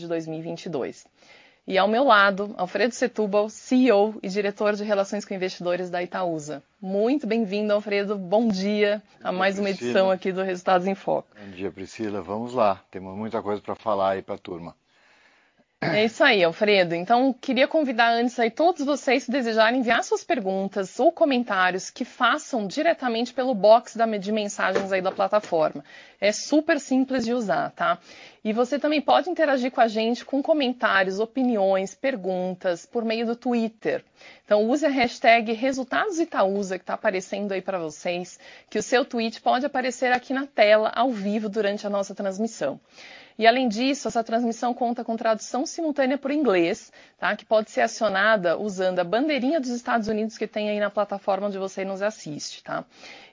De 2022. Ao meu lado, Alfredo Setúbal, CEO e Diretor de Relações com Investidores da Itaúsa. Muito bem-vindo, Alfredo. Bom dia a mais uma edição aqui do Resultados em Foco. Bom dia, Priscila. Vamos lá. Temos muita coisa pra falar aí pra turma. É isso aí, Alfredo. Queria convidar antes aí todos vocês que desejarem enviar suas perguntas ou comentários, que façam diretamente pelo box de mensagens aí da plataforma. É supersimples de usar, tá? Você também pode interagir com a gente com comentários, opiniões, perguntas, por meio do Twitter. Use a hashtag ResultadosItaúsa, que tá aparecendo aí pra vocês, que o seu tweet pode aparecer aqui na tela ao vivo durante a nossa transmissão. Além disso, essa transmissão conta com tradução simultânea pro inglês, tá, que pode ser acionada usando a bandeirinha dos Estados Unidos que tem aí na plataforma onde você nos assiste, tá?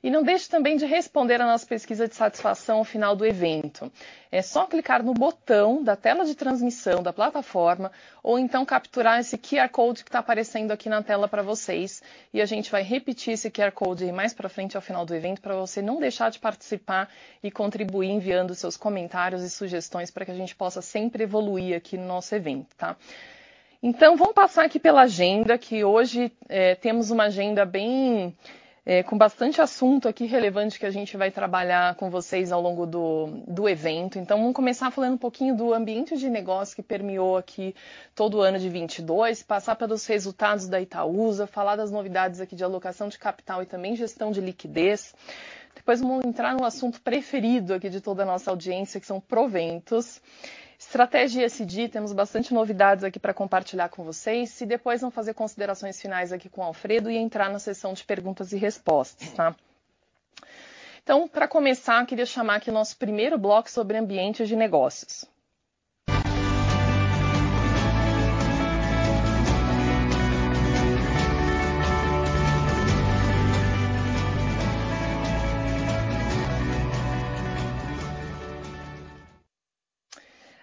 Não deixe também de responder à nossa pesquisa de satisfação ao final do evento. É só clicar no botão da tela de transmissão da plataforma ou então capturar esse QR code que tá aparecendo aqui na tela pra vocês. A gente vai repetir esse QR code mais pra frente ao final do evento para você não deixar de participar e contribuir enviando seus comentários e sugestões para que a gente possa sempre evoluir aqui no nosso evento, tá? Vamos passar aqui pela agenda, que hoje, temos uma agenda bem com bastante assunto aqui relevante que a gente vai trabalhar com vocês ao longo do evento. Vamos começar falando um pouquinho do ambiente de negócios que permeou aqui todo o ano de 2022, passar pelos resultados da Itaúsa, falar das novidades aqui de alocação de capital e também gestão de liquidez. Vamos entrar no assunto preferido aqui de toda a nossa audiência, que são proventos. Estratégia e ESG, temos bastante novidades aqui pra compartilhar com vocês. Depois vamos fazer considerações finais aqui com o Alfredo e entrar na sessão de perguntas e respostas, tá? Pra começar, queria chamar aqui o nosso primeiro bloco sobre ambiente de negócios.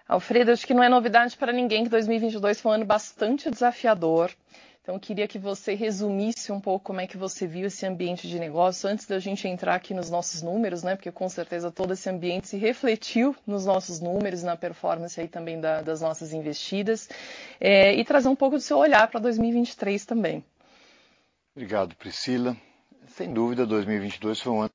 Alfredo, acho que não é novidade para ninguém que 2022 foi um ano bastante desafiador. Queria que você resumisse um pouco como é que você viu esse ambiente de negócios antes da gente entrar aqui nos nossos números, né, porque com certeza todo esse ambiente se refletiu nos nossos números, na performance aí também das nossas investidas, e trazer um pouco do seu olhar pra 2023 também. Obrigado, Priscila. Sem dúvida, 2022 foi um ano.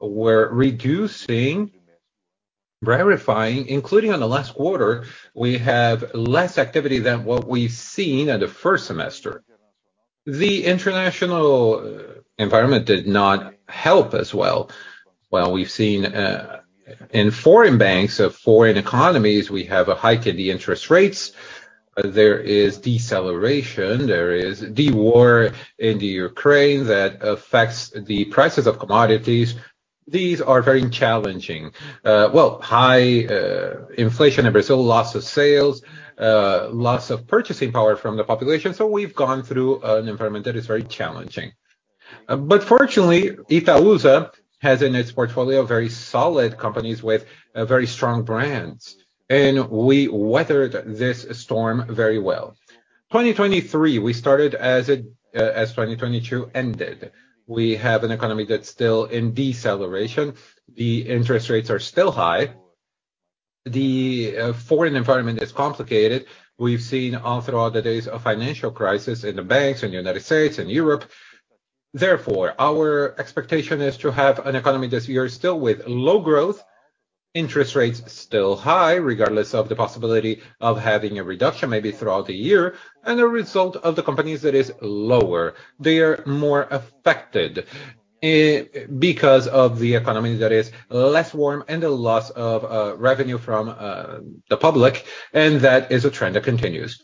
We're reducing, verifying, including on the last quarter, we have less activity than what we've seen at the first semester. The international environment did not help as well. Well, we've seen, in foreign banks, foreign economies, we have a hike in the interest rates. There is deceleration, there is the war in Ukraine that affects the prices of commodities. These are very challenging. Well, high inflation in Brazil, loss of sales, loss of purchasing power from the population. We've gone through an environment that is very challenging. Fortunately, Itaúsa has in its portfolio very solid companies with very strong brands, and we weathered this storm very well. 2023, we started as 2022 ended. We have an economy that's still in deceleration. The interest rates are still high. The foreign environment is complicated. We've seen all throughout the days a financial crisis in the banks, in United States, in Europe. Therefore, our expectation is to have an economy this year still with low growth, interest rates still high, regardless of the possibility of having a reduction maybe throughout the year, and a result of the companies that is lower. They are more affected because of the economy that is less warm and the loss of revenue from the public, and that is a trend that continues.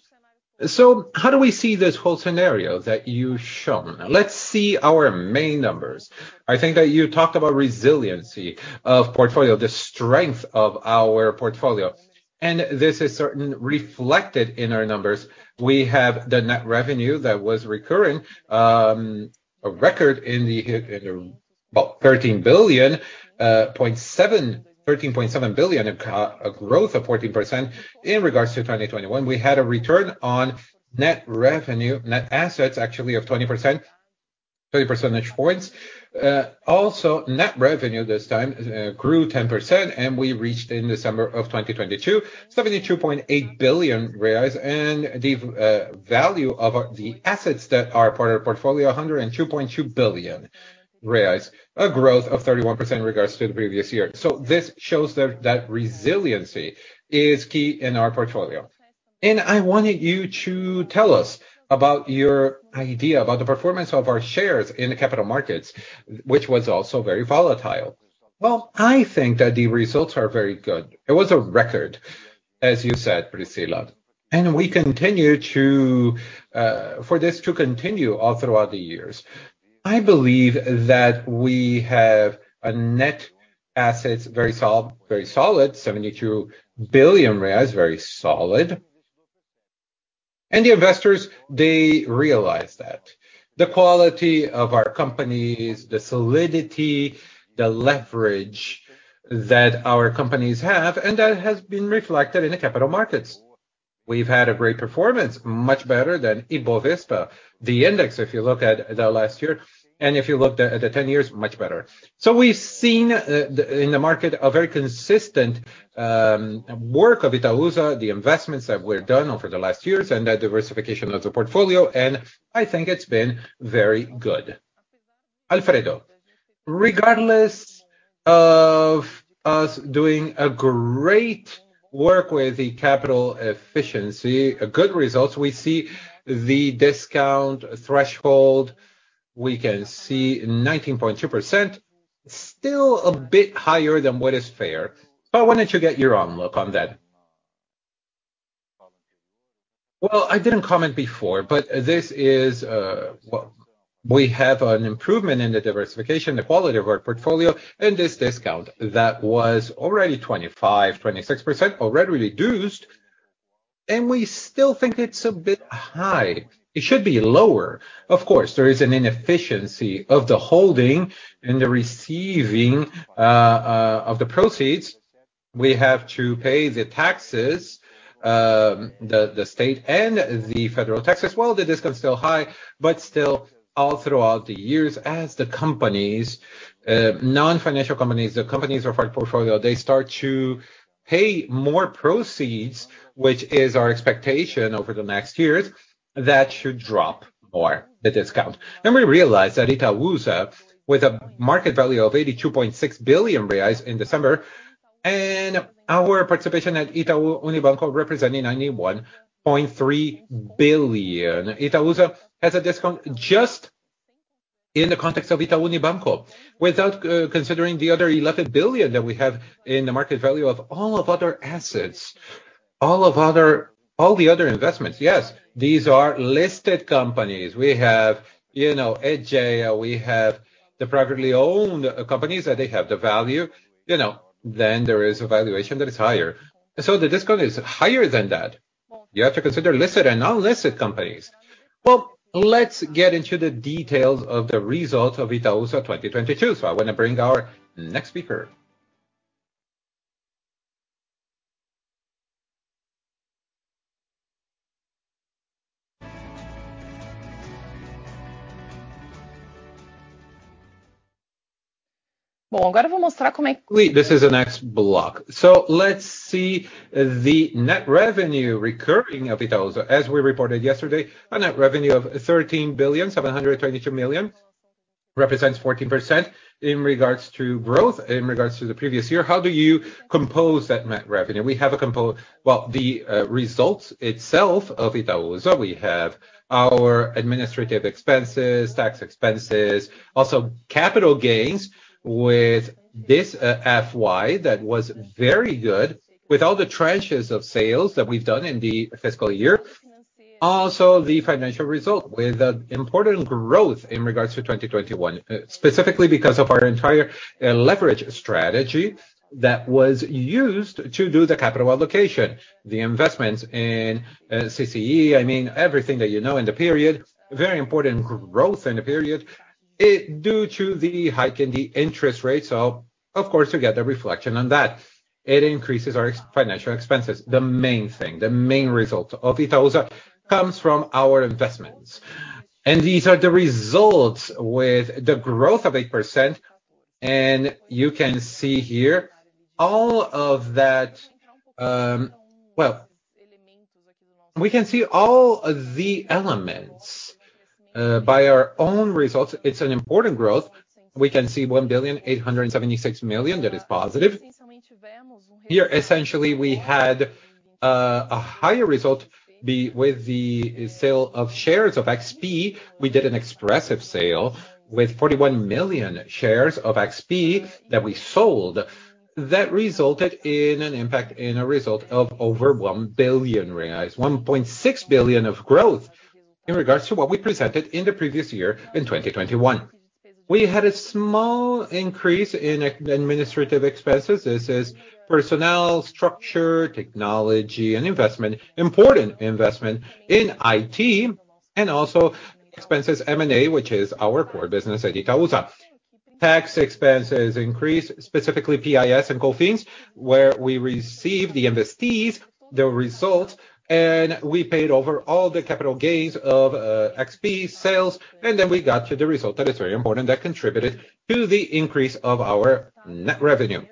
How do we see this whole scenario that you've shown? Let's see our main numbers. I think that you talked about resiliency of portfolio, the strength of our portfolio, and this is certain reflected in our numbers. We have the net revenue that was recurring, a record in the well, 13.7 billion, a growth of 14% in regards to 2021. We had a return on net assets, actually, of 20%, 20 percentage points. Also net revenue this time grew 10%, and we reached in December of 2022, 72.8 billion reais, and the value of our the assets that are part of our portfolio, 102.2 billion reais, a growth of 31% in regards to the previous year. This shows that resiliency is key in our portfolio. I wanted you to tell us about your idea about the performance of our shares in the capital markets, which was also very volatile. Well, I think that the results are very good. It was a record, as you said, Priscila. We continue to for this to continue all throughout the years. I believe that we have a net assets very solid, 72 billion reais, very solid. The investors, they realize that. The quality of our companies, the solidity, the leverage that our companies have, and that has been reflected in the capital markets. We've had a great performance, much better than Bovespa, the index, if you look at the last year, and if you look at the 10 years, much better. We've seen the, in the market, a very consistent work of Itaúsa, the investments that we're done over the last years, and that diversification of the portfolio, and I think it's been very good. Alfredo, regardless of us doing a great work with the capital efficiency, a good results, we see the discount threshold, we can see 19.2%, still a bit higher than what is fair. Why don't you get your own look on that? Well, I didn't comment before, but this is. Well, we have an improvement in the diversification, the quality of our portfolio, and this discount that was already 25%-26% already reduced, and we still think it's a bit high. It should be lower. Of course, there is an inefficiency of the holding and the receiving of the proceeds. We have to pay the taxes, the state and the federal taxes, well, the discount is still high, but still all throughout the years as the companies, non-financial companies, the companies of our portfolio, they start to pay more proceeds, which is our expectation over the next years, that should drop more the discount. We realize that Itaúsa, with a market value of 82.6 billion reais in December, and our participation at Itaú Unibanco representing 91.3 billion. Itaúsa has a discount just in the context of Itaú Unibanco. Without co-considering the other 11 billion that we have in the market value of all of other assets, all the other investments. Yes, these are listed companies. We have, you know, Aegea, we have the privately owned companies, that they have the value, you know, there is a valuation that is higher. The discount is higher than that. You have to consider listed and non-listed companies. Well, let's get into the details of the results of Itaúsa 2022. I wanna bring our next speaker. This is the next block. Let's see the net revenue recurring of Itaúsa. As we reported yesterday, a net revenue of 13.722 billion represents 14% in regards to growth, in regards to the previous year. How do you compose that net revenue? Well, the results itself of Itaúsa, we have our administrative expenses, tax expenses, also capital gains with this FY that was very good with all the tranches of sales that we've done in the fiscal year. The financial result with an important growth in regards to 2021, specifically because of our entire leverage strategy that was used to do the capital allocation. The investments in CCR, I mean, everything that you know in the period, very important growth in the period, due to the hike in the interest rate. Of course, you get the reflection on that. It increases our financial expenses. The main thing, the main result of Itaúsa comes from our investments. These are the results with the growth of 8%, and you can see here all of that. Well, we can see all of the elements by our own results. It's an important growth. We can see 1.876 billion, that is positive. Here, essentially, we had a higher result be with the sale of shares of XP. We did an expressive sale with 41 million shares of XP that we sold. That resulted in an impact, in a result of over 1 billion reais, 1.6 billion of growth in regards to what we presented in the previous year in 2021. We had a small increase in administrative expenses. This is personnel, structure, technology, and investment. Important investment in IT and also expenses, M&A, which is our core business at Itaúsa. Tax expenses increased, specifically PIS and COFINS, where we received the investees, the results, and we paid over all the capital gains of XP sales, and then we got to the result that is very important that contributed to the increase of our net revenue.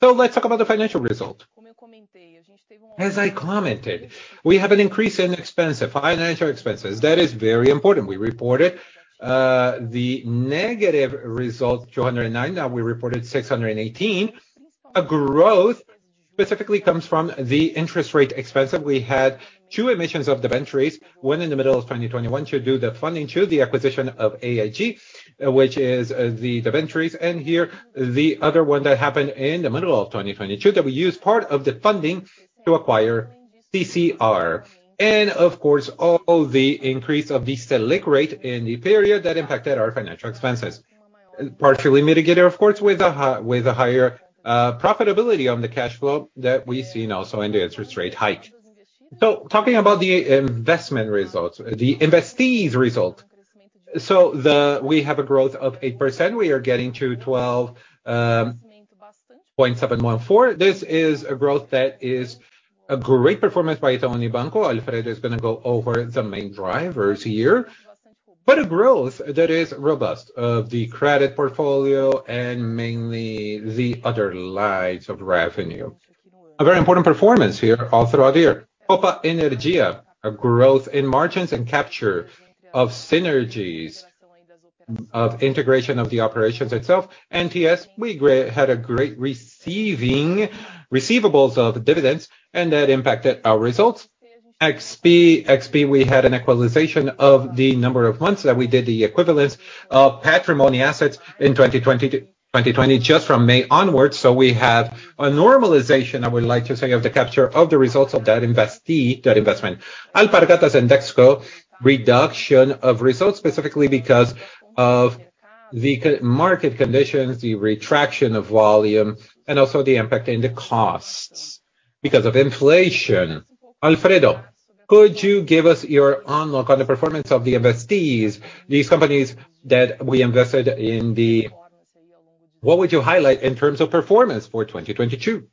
Let's talk about the financial result. As I commented, we have an increase in expense, financial expenses. That is very important. We reported the negative result, 209. Now we reported 618. A growth specifically comes from the interest rate expense that we had two emissions of debentures, one in the middle of 2021 to do the funding to the acquisition of AIG, which is the debentures. Here, the other one that happened in the middle of 2022 that we used part of the funding to acquire CCR. Of course, all the increase of the Selic rate in the period that impacted our financial expenses. And partially mitigated, of course, with a higher profitability on the cash flow that we see now. In the interest rate hike. Talking about the investment results, the investees result. We have a growth of 8%. We are getting to 12.714. This is a growth that is a great performance by Itaú Unibanco. Alfredo is going to go over the main drivers here. A growth that is robust of the credit portfolio and mainly the other lines of revenue. A very important performance here all throughout the year. Copa Energia, a growth in margins and capture of synergies of integration of the operations itself. NTS, we had a great receivables of dividends and that impacted our results. XP, we had an equalization of the number of months that we did the equivalence of patrimony assets in 2020 just from May onwards. We have a normalization, I would like to say, of the capture of the results of that investee, that investment. Alpargatas and Dexco, reduction of results specifically because of the market conditions, the retraction of volume, and also the impact in the costs because of inflation. Alfredo, could you give us your unlock on the performance of the investees? What would you highlight in terms of performance for 2022?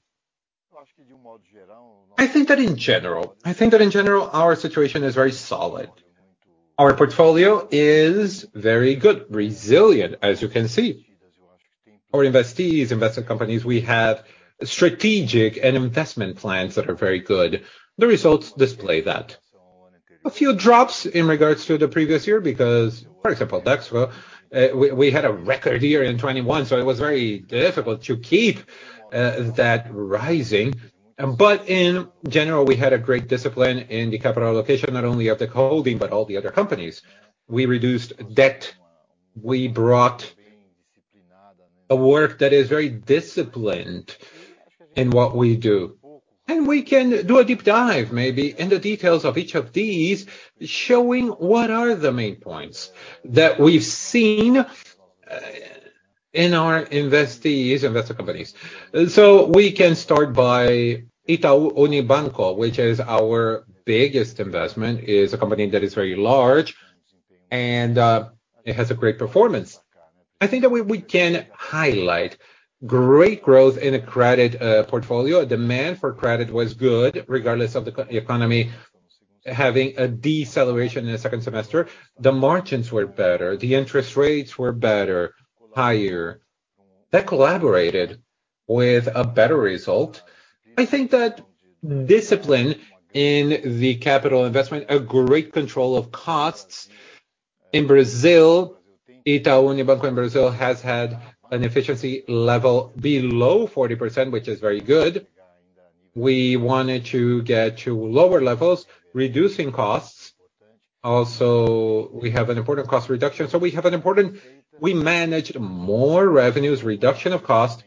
I think that in general, our situation is very solid. Our portfolio is very good, resilient as you can see. Our investees, investment companies, we have strategic and investment plans that are very good. The results display that. A few drops in regards to the previous year because, for example, Dexco, we had a record year in 2021, so it was very difficult to keep that rising. In general, we had a great discipline in the capital allocation, not only of the holding, but all the other companies. We reduced debt. We brought a work that is very disciplined in what we do. We can do a deep dive maybe in the details of each of these, showing what are the main points that we've seen in our investees, investor companies. We can start by Itaú Unibanco, which is our biggest investment, is a company that is very large and it has a great performance. I think that we can highlight great growth in a credit portfolio. Demand for credit was good, regardless of the economy having a deceleration in the second semester. The margins were better, the interest rates were better, higher. That collaborated with a better result. I think that discipline in the capital investment, a great control of costs in Brazil, Itaú Unibanco in Brazil has had an efficiency level below 40%, which is very good. We wanted to get to lower levels, reducing costs. We have an important cost reduction, so we have an important We managed more revenues, reduction of cost.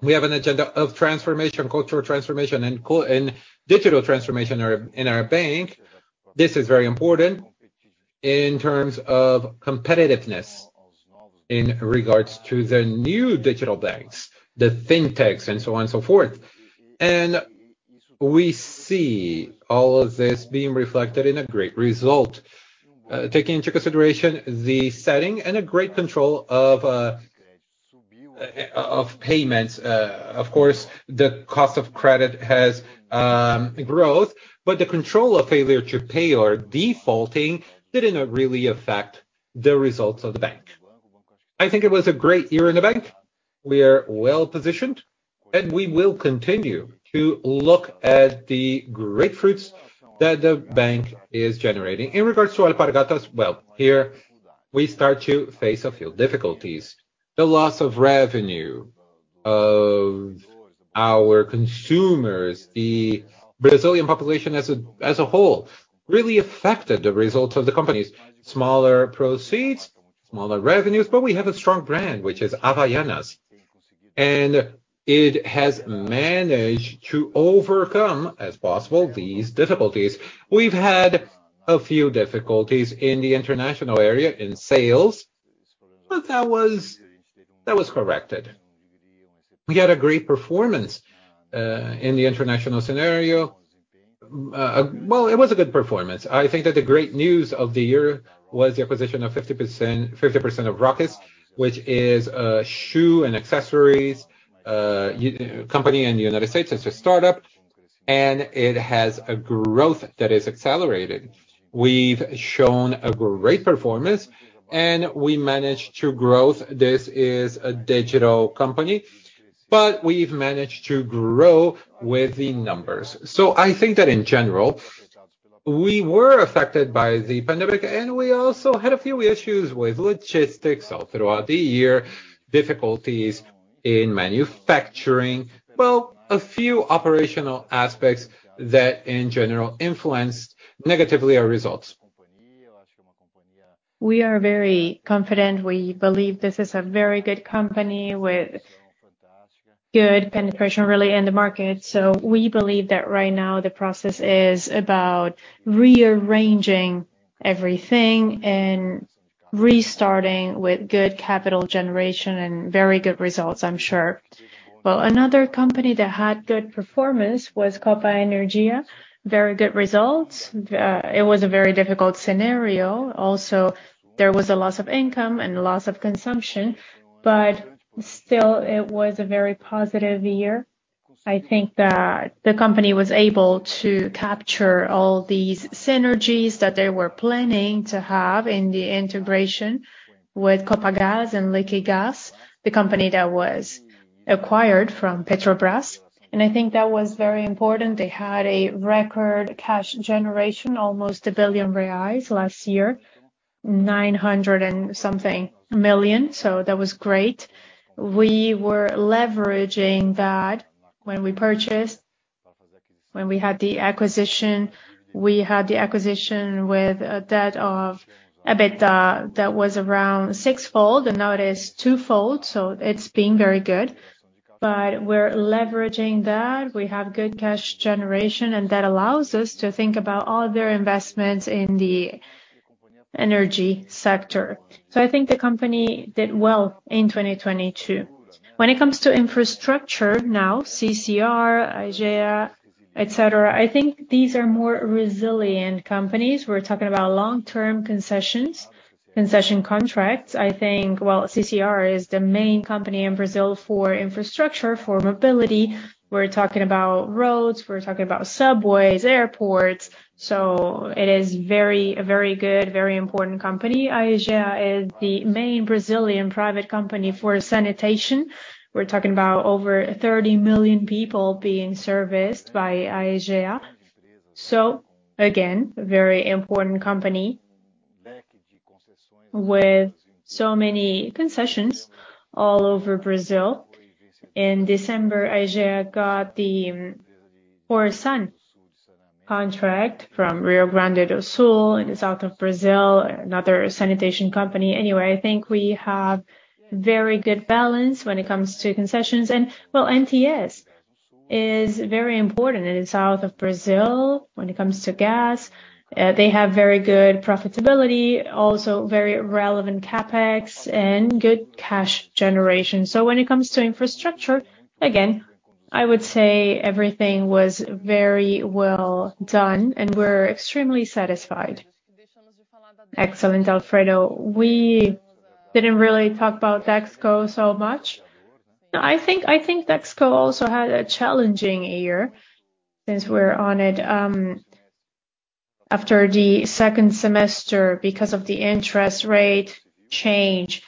We have an agenda of transformation, cultural transformation and digital transformation in our, in our bank. This is very important in terms of competitiveness in regards to the new digital banks, the fintechs and so on and so forth. We see all of this being reflected in a great result. Taking into consideration the setting and a great control of payments. Of course, the cost of credit has growth, the control of failure to pay or defaulting didn't really affect the results of the bank. I think it was a great year in the bank. We are well-positioned, we will continue to look at the great fruits that the bank is generating. In regards to Alpargatas, well, here we start to face a few difficulties. The loss of revenue of our consumers, the Brazilian population as a whole, really affected the results of the companies. Smaller proceeds, smaller revenues, we have a strong brand, which is Havaianas. It has managed to overcome, as possible, these difficulties. We've had a few difficulties in the international area in sales, that was corrected. We had a great performance, in the international scenario. Well, it was a good performance. I think that the great news of the year was the acquisition of 50% of Rothy's, which is a shoe and accessories company in the United States. It's a startup, and it has a growth that is accelerated. We've shown a great performance, and we managed to growth. This is a digital company, but we've managed to grow with the numbers. I think that in general, we were affected by the pandemic, and we also had a few issues with logistics all throughout the year, difficulties in manufacturing. Well, a few operational aspects that in general influenced negatively our results. We are very confident. We believe this is a very good company with good penetration really in the market. We believe that right now the process is about rearranging everything and restarting with good capital generation and very good results, I'm sure. Well, another company that had good performance was Copa Energia. Very good results. It was a very difficult scenario. Also, there was a loss of income and a loss of consumption, but still it was a very positive year. I think that the company was able to capture all these synergies that they were planning to have in the integration with Copagaz and Liquigás, the company that was acquired from Petrobras. I think that was very important. They had a record cash generation, almost 1 billion reais last year, 900 and something million. That was great. We were leveraging that when we had the acquisition, we had the acquisition with a debt of EBITDA that was around six-fold and now it is two-fold. It's been very good. We're leveraging that. We have good cash generation, and that allows us to think about other investments in the energy sector. I think the company did well in 2022. When it comes to infrastructure now, CCR, Aegea, et cetera, I think these are more resilient companies. We're talking about long-term concessions, concession contracts. I think, well, CCR is the main company in Brazil for infrastructure, for mobility. We're talking about roads, we're talking about subways, airports. It is a very good, very important company. Aegea is the main Brazilian private company for sanitation. We're talking about over 30 million people being serviced by Aegea. Again, very important company with so many concessions all over Brazil. In December, Aegea got the Corsan contract from Rio Grande do Sul in the south of Brazil, another sanitation company. Anyway, I think we have very good balance when it comes to concessions. Well, NTS is very important in south of Brazil when it comes to gas. They have very good profitability, also very relevant CapEx and good cash generation. When it comes to infrastructure, again, I would say everything was very well done and we're extremely satisfied. Excellent, Alfredo. We didn't really talk about Dexco so much. I think Dexco also had a challenging year since we're on it. After the second semester, because of the interest rate change,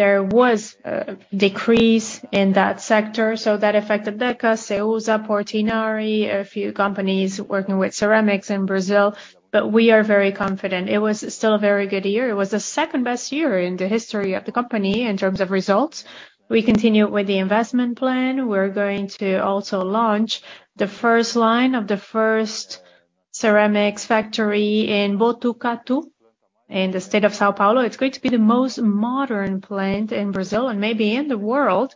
there was a decrease in that sector. That affected Deca, Ceusa, Portinari, a few companies working with ceramics in Brazil. We are very confident. It was still a very good year. It was the second-best year in the history of the company in terms of results. We continued with the investment plan. We're going to also launch the first line of the first ceramics factory in Botucatu, in the state of São Paulo. It's going to be the most modern plant in Brazil and maybe in the world.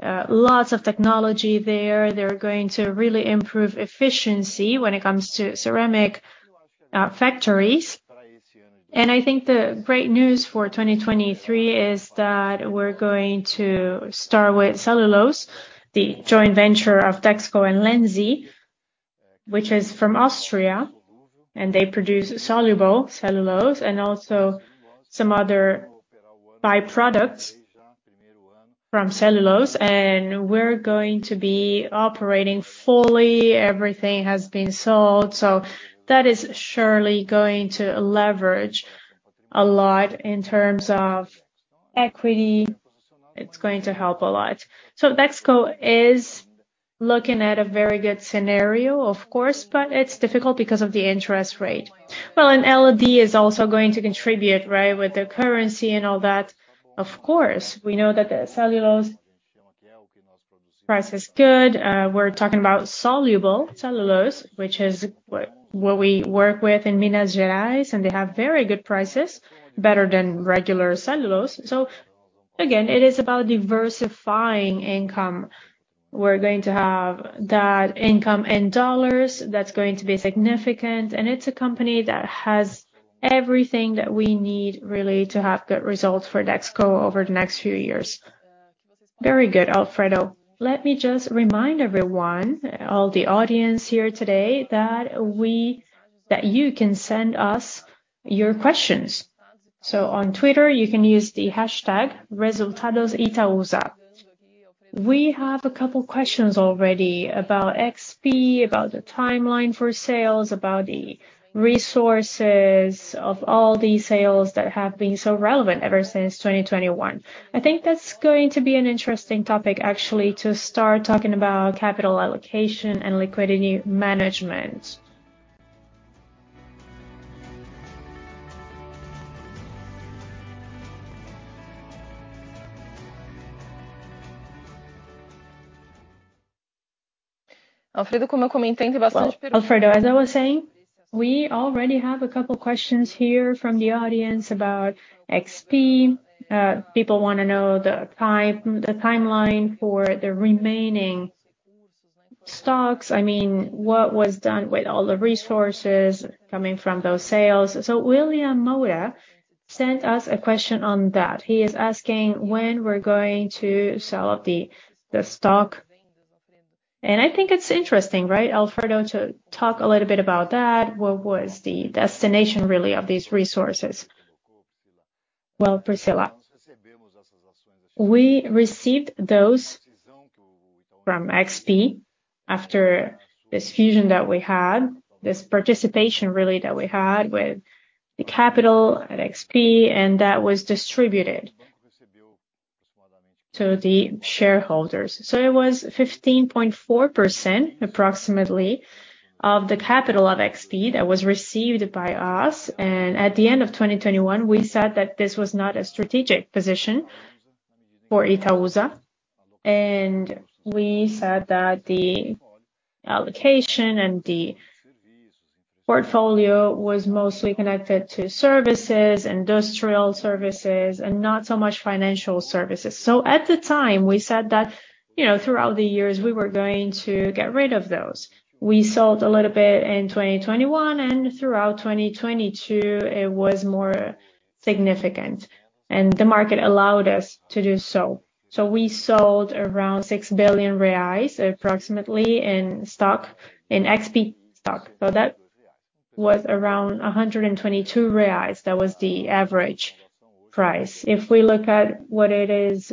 Lots of technology there. They're going to really improve efficiency when it comes to ceramic factories. I think the great news for 2023 is that we're going to start with LD Celulose, the joint venture of Dexco and Lenzing, which is from Austria, and they produce soluble cellulose and also some other by-products from cellulose, and we're going to be operating fully. Everything has been sold. That is surely going to leverage a lot in terms of equity. It's going to help a lot. Dexco is looking at a very good scenario, of course, but it's difficult because of the interest rate. LD is also going to contribute, right, with the currency and all that. Of course. We know that the cellulose price is good. We're talking about soluble cellulose, which is what we work with in Minas Gerais, and they have very good prices, better than regular cellulose. Again, it is about diversifying income. We're going to have that income in dollars. That's going to be significant. It's a company that has everything that we need really to have good results for Dexco over the next few years. Very good, Alfredo. Let me just remind everyone, all the audience here today, that you can send us your questions. On Twitter, you can use the #resultadositaúsa. We have a couple questions already about XP, about the timeline for sales, about the resources of all these sales that have been so relevant ever since 2021. I think that's going to be an interesting topic, actually, to start talking about capital allocation and liquidity management. Well, Alfredo, as I was saying, we already have a couple questions here from the audience about XP. People wanna know the timeline for the remaining stocks. I mean, what was done with all the resources coming from those sales. William Moura sent us a question on that. He is asking when we're going to sell off the stock. I think it's interesting, right, Alfredo, to talk a little bit about that. What was the destination really of these resources? Well, Priscila, we received those from XP after this fusion that we had, this participation really that we had with the capital at XP, and that was distributed to the shareholders. It was 15.4% approximately of the capital of XP that was received by us. At the end of 2021, we said that this was not a strategic position for Itaúsa, and we said that the allocation and the portfolio was mostly connected to services, industrial services and not so much financial services. At the time, we said that, you know, throughout the years we were going to get rid of those. We sold a little bit in 2021, and throughout 2022 it was more significant, and the market allowed us to do so. We sold around 6 billion reais approximately in stock, in XP stock. That was around 122 reais. That was the average price. If we look at what it is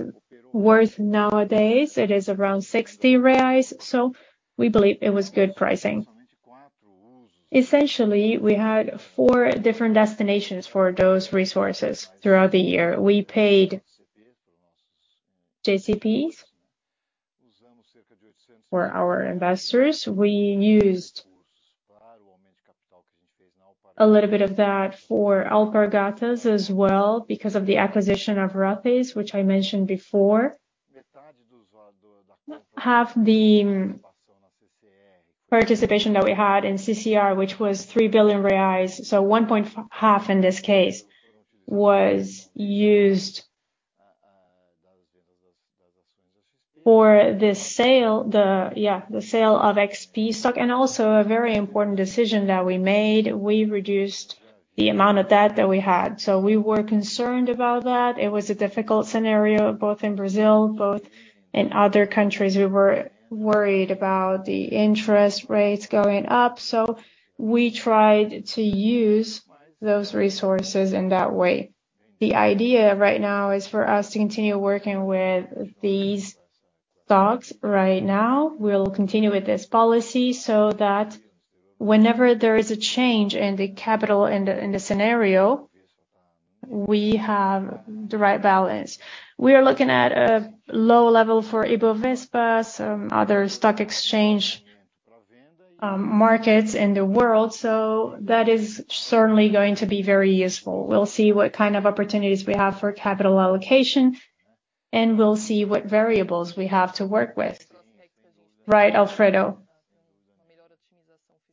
worth nowadays, it is around 60 reais, so we believe it was good pricing. Essentially, we had four different destinations for those resources throughout the year. We paid JCPs for our investors. We used a little bit of that for Alpargatas as well because of the acquisition of Rothy's, which I mentioned before. Half the participation that we had in CCR, which was 3 billion reais, so 1.5 billion in this case, was used for the sale of XP stock. A very important decision that we made, we reduced the amount of debt that we had. We were concerned about that. It was a difficult scenario, both in Brazil, both in other countries. We were worried about the interest rates going up, we tried to use those resources in that way. The idea right now is for us to continue working with these stocks right now. We'll continue with this policy so that whenever there is a change in the capital in the scenario, we have the right balance. We are looking at a low level for Bovespa, some other stock exchange markets in the world, that is certainly going to be very useful. We'll see what kind of opportunities we have for capital allocation, we'll see what variables we have to work with. Right, Alfredo.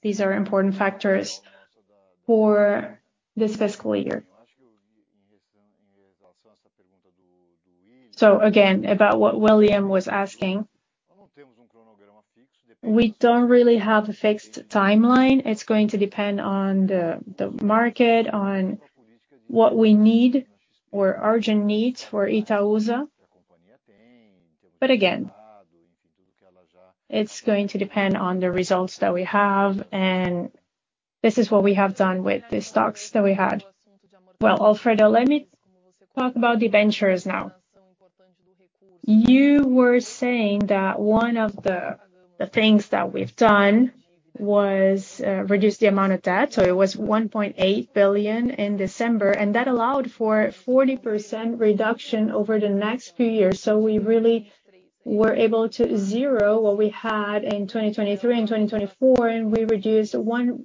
These are important factors for this fiscal year. Again, about what William was asking, we don't really have a fixed timeline. It's going to depend on the market, on what we need or urgent needs for Itaúsa. Again, it's going to depend on the results that we have, this is what we have done with the stocks that we had. Well, Alfredo, let me talk about debentures now. You were saying that one of the things that we've done was reduce the amount of debt. It was 1.8 billion in December. That allowed for 40% reduction over the next few years. We really were able to zero what we had in 2023 and 2024. We reduced 1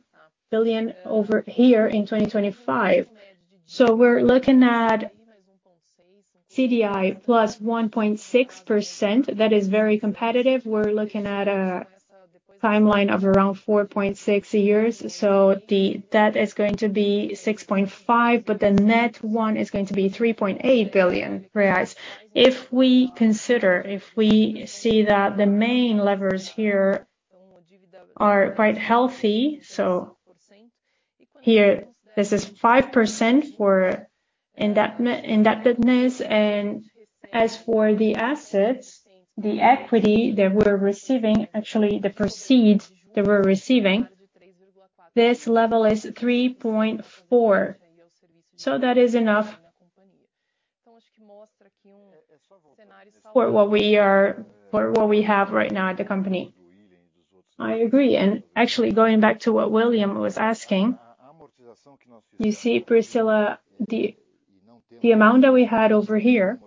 billion over here in 2025. We're looking at CDI + 1.6%. That is very competitive. We're looking at a timeline of around 4.6 years. The debt is going to be 6.5. The net one is going to be 3.8 billion reais. If we consider, if we see that the main levers here are quite healthy, here this is 5% for indebtedness. As for the assets, the equity that we're receiving, actually the proceeds that we're receiving, this level is 3.4. That is enough for what we have right now at the company. I agree. Actually going back to what William was asking, you see, Priscila, the amount that we had over here,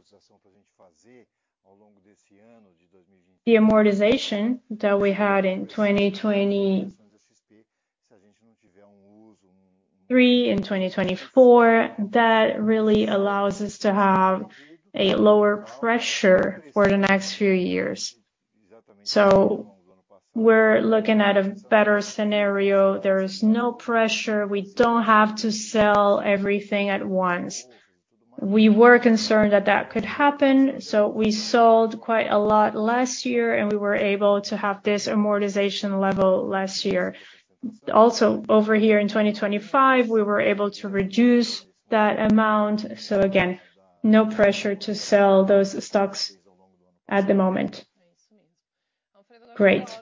the amortization that we had in 2023 and 2024. That really allows us to have a lower pressure for the next few years. We're looking at a better scenario. There is no pressure. We don't have to sell everything at once. We were concerned that that could happen, so we sold quite a lot last year, and we were able to have this amortization level last year. Also, over here in 2025, we were able to reduce that amount. Again, no pressure to sell those stocks at the moment. Great.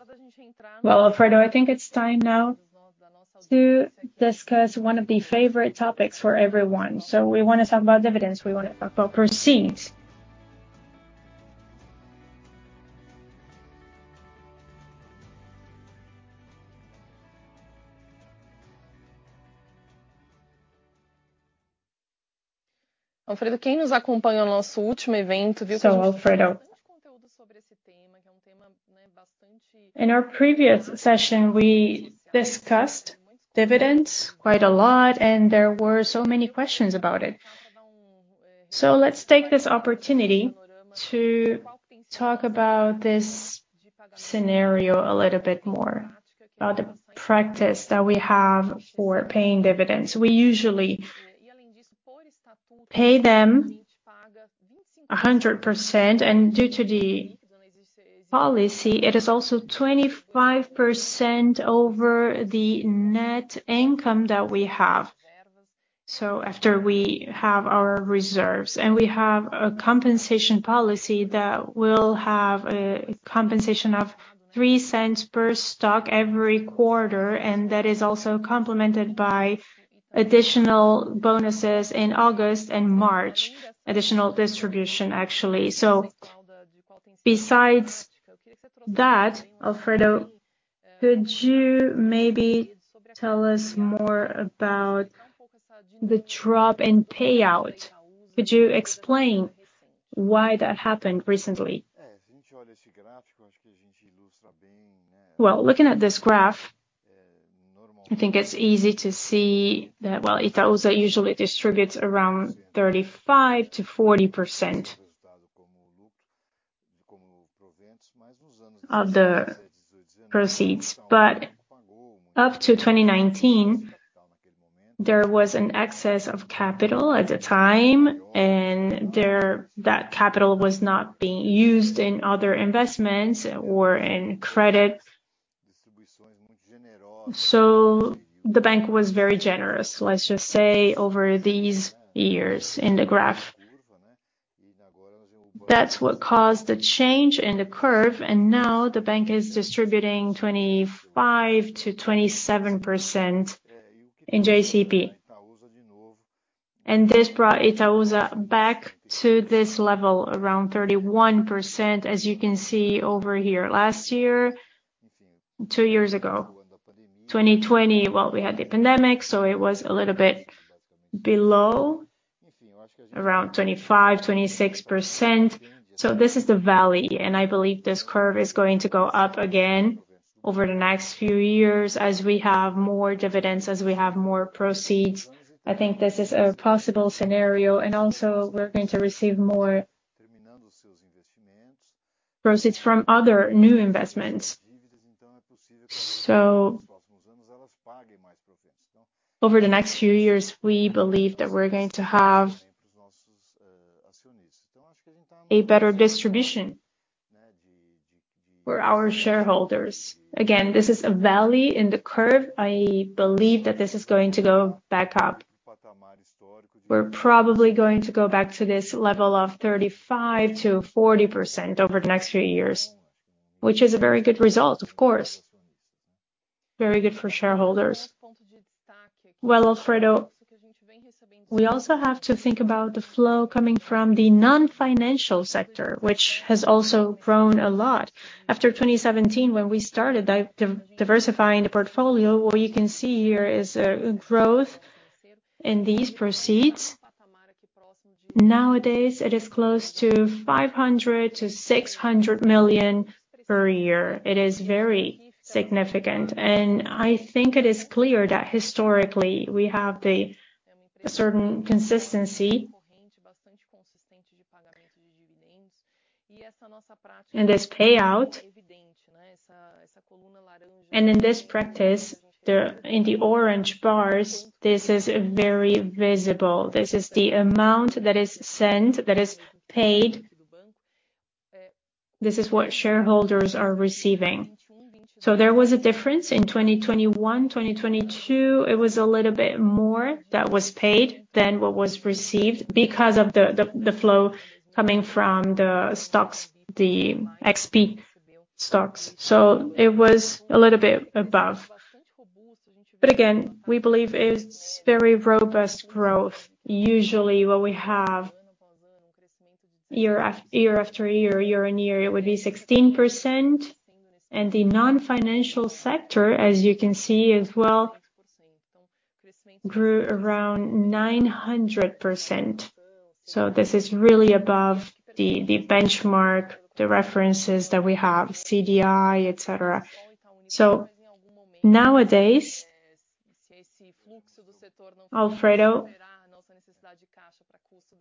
Well, Alfredo, I think it's time now to discuss one of the favorite topics for everyone. We wanna talk about dividends, we wanna talk about proceeds. Alfredo, in our previous session, we discussed dividends quite a lot, and there were so many questions about it. Let's take this opportunity to talk about this scenario a little bit more, about the practice that we have for paying dividends. We usually pay them 100%, and due to the policy, it is also 25% over the net income that we have. After we have our reserves. We have a compensation policy that will have a compensation of 0.03 per stock every quarter, and that is also complemented by additional bonuses in August and March. Additional distribution, actually. Besides that, Alfredo, could you maybe tell us more about the drop in payout? Could you explain why that happened recently? Looking at this graph, I think it's easy to see that, Itaú usually distributes around 35%-40% of the proceeds. Up to 2019, there was an excess of capital at the time, and that capital was not being used in other investments or in credit. The bank was very generous, let's just say, over these years in the graph. That's what caused the change in the curve, and now the bank is distributing 25%-27% in JCP. This brought Itaú back to this level, around 31%, as you can see over here. Last year, two years ago, 2020, well, we had the pandemic, so it was a little bit below, around 25%, 26%. This is the valley, and I believe this curve is going to go up again over the next few years as we have more dividends, as we have more proceeds. I think this is a possible scenario, and also we're going to receive more proceeds from other new investments. Over the next few years, we believe that we're going to have a better distribution for our shareholders. Again, this is a valley in the curve. I believe that this is going to go back up. We're probably going to go back to this level of 35%-40% over the next few years, which is a very good result, of course. Very good for shareholders. Well, Alfredo, we also have to think about the flow coming from the non-financial sector, which has also grown a lot. After 2017, when we started diversifying the portfolio, what you can see here is a growth in these proceeds. Nowadays, it is close to 500 million-600 million per year. It is very significant. I think it is clear that historically we have a certain consistency in this payout. In this practice, the, in the orange bars, this is very visible. This is the amount that is sent, that is paid. This is what shareholders are receiving. There was a difference in 2021, 2022. It was a little bit more that was paid than what was received because of the, the flow coming from the stocks, the XP stocks. It was a little bit above. Again, we believe it's very robust growth. Usually what we have year after year-on-year, it would be 16%. The non-financial sector, as you can see as well. Grew around 900%. This is really above the benchmark, the references that we have, CDI, et cetera. Nowadays, Alfredo,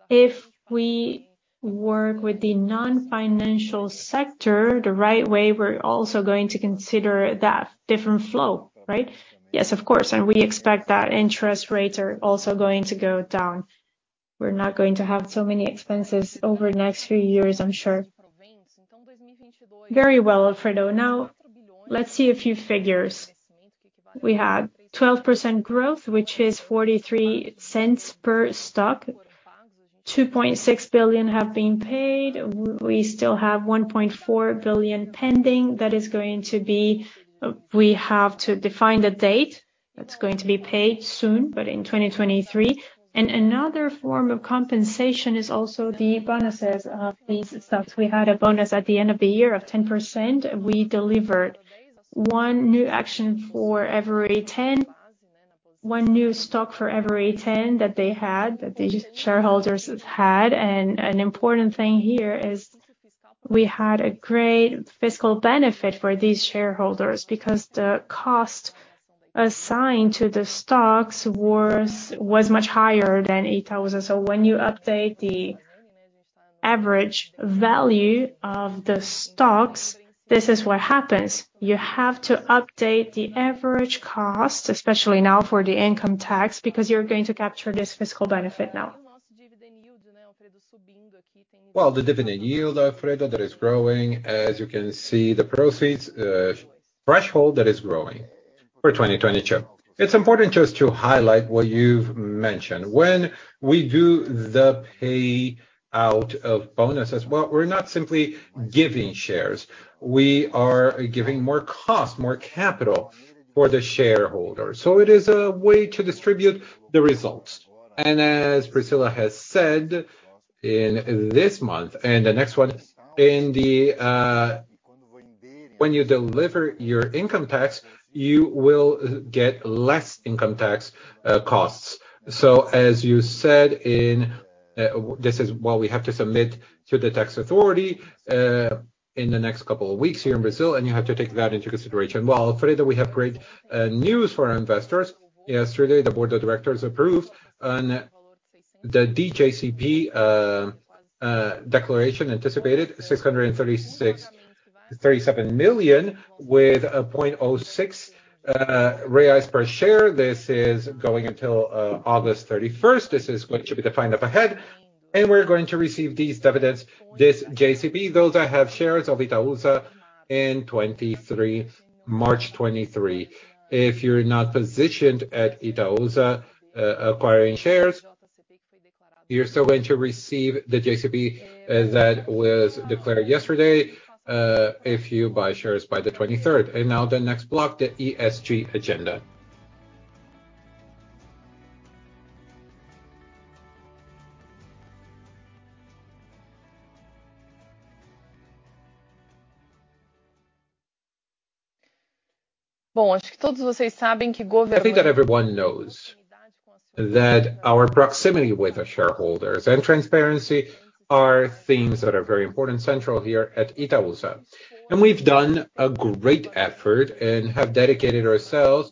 if we work with the non-financial sector the right way, we're also going to consider that different flow, right? Yes, of course. We expect that interest rates are also going to go down. We're not going to have so many expenses over the next few years, I'm sure. Very well, Alfredo. Now let's see a few figures. We had 12% growth, which is 0.43 per stock. 2.6 billion have been paid. We still have 1.4 billion pending. That is going to be. We have to define the date. That's going to be paid soon, but in 2023. Another form of compensation is also the bonuses of these stocks. We had a bonus at the end of the year of 10%. We delivered 1 new action for every 10, one new stock for every 10 that they had, that the shareholders had. An important thing here is we had a great fiscal benefit for these shareholders because the cost assigned to the stocks was much higher than 8,000. When you update the average value of the stocks, this is what happens. You have to update the average cost, especially now for the income tax, because you're going to capture this fiscal benefit now. Well, the dividend yield, Alfredo, that is growing. As you can see, the proceeds, threshold that is growing for 2022. It's important just to highlight what you've mentioned. When we do the pay out of bonuses, well, we're not simply giving shares. We are giving more cost, more capital for the shareholder. It is a way to distribute the results. As Priscilla has said in this month and the next one, in the, when you deliver your income tax, you will get less income tax, costs. As you said in, this is what we have to submit to the tax authority, in the next couple of weeks here in Brazil, and you have to take that into consideration. Well, Alfredo, we have great news for our investors. Yesterday, the board of directors approved the JCP declaration anticipated 637 million with 0.06 reais per share. This is going until August 31st. This is what should be defined up ahead. We're going to receive these dividends, this JCP. Those that have shares of Itaúsa in 2023, March 23. If you're not positioned at Itaúsa, acquiring shares, you're still going to receive the JCP that was declared yesterday, if you buy shares by the 23rd. Now the next block, the ESG agenda. I think that everyone knows that our proximity with our shareholders and transparency are things that are very important, central here at Itaúsa. We've done a great effort and have dedicated ourselves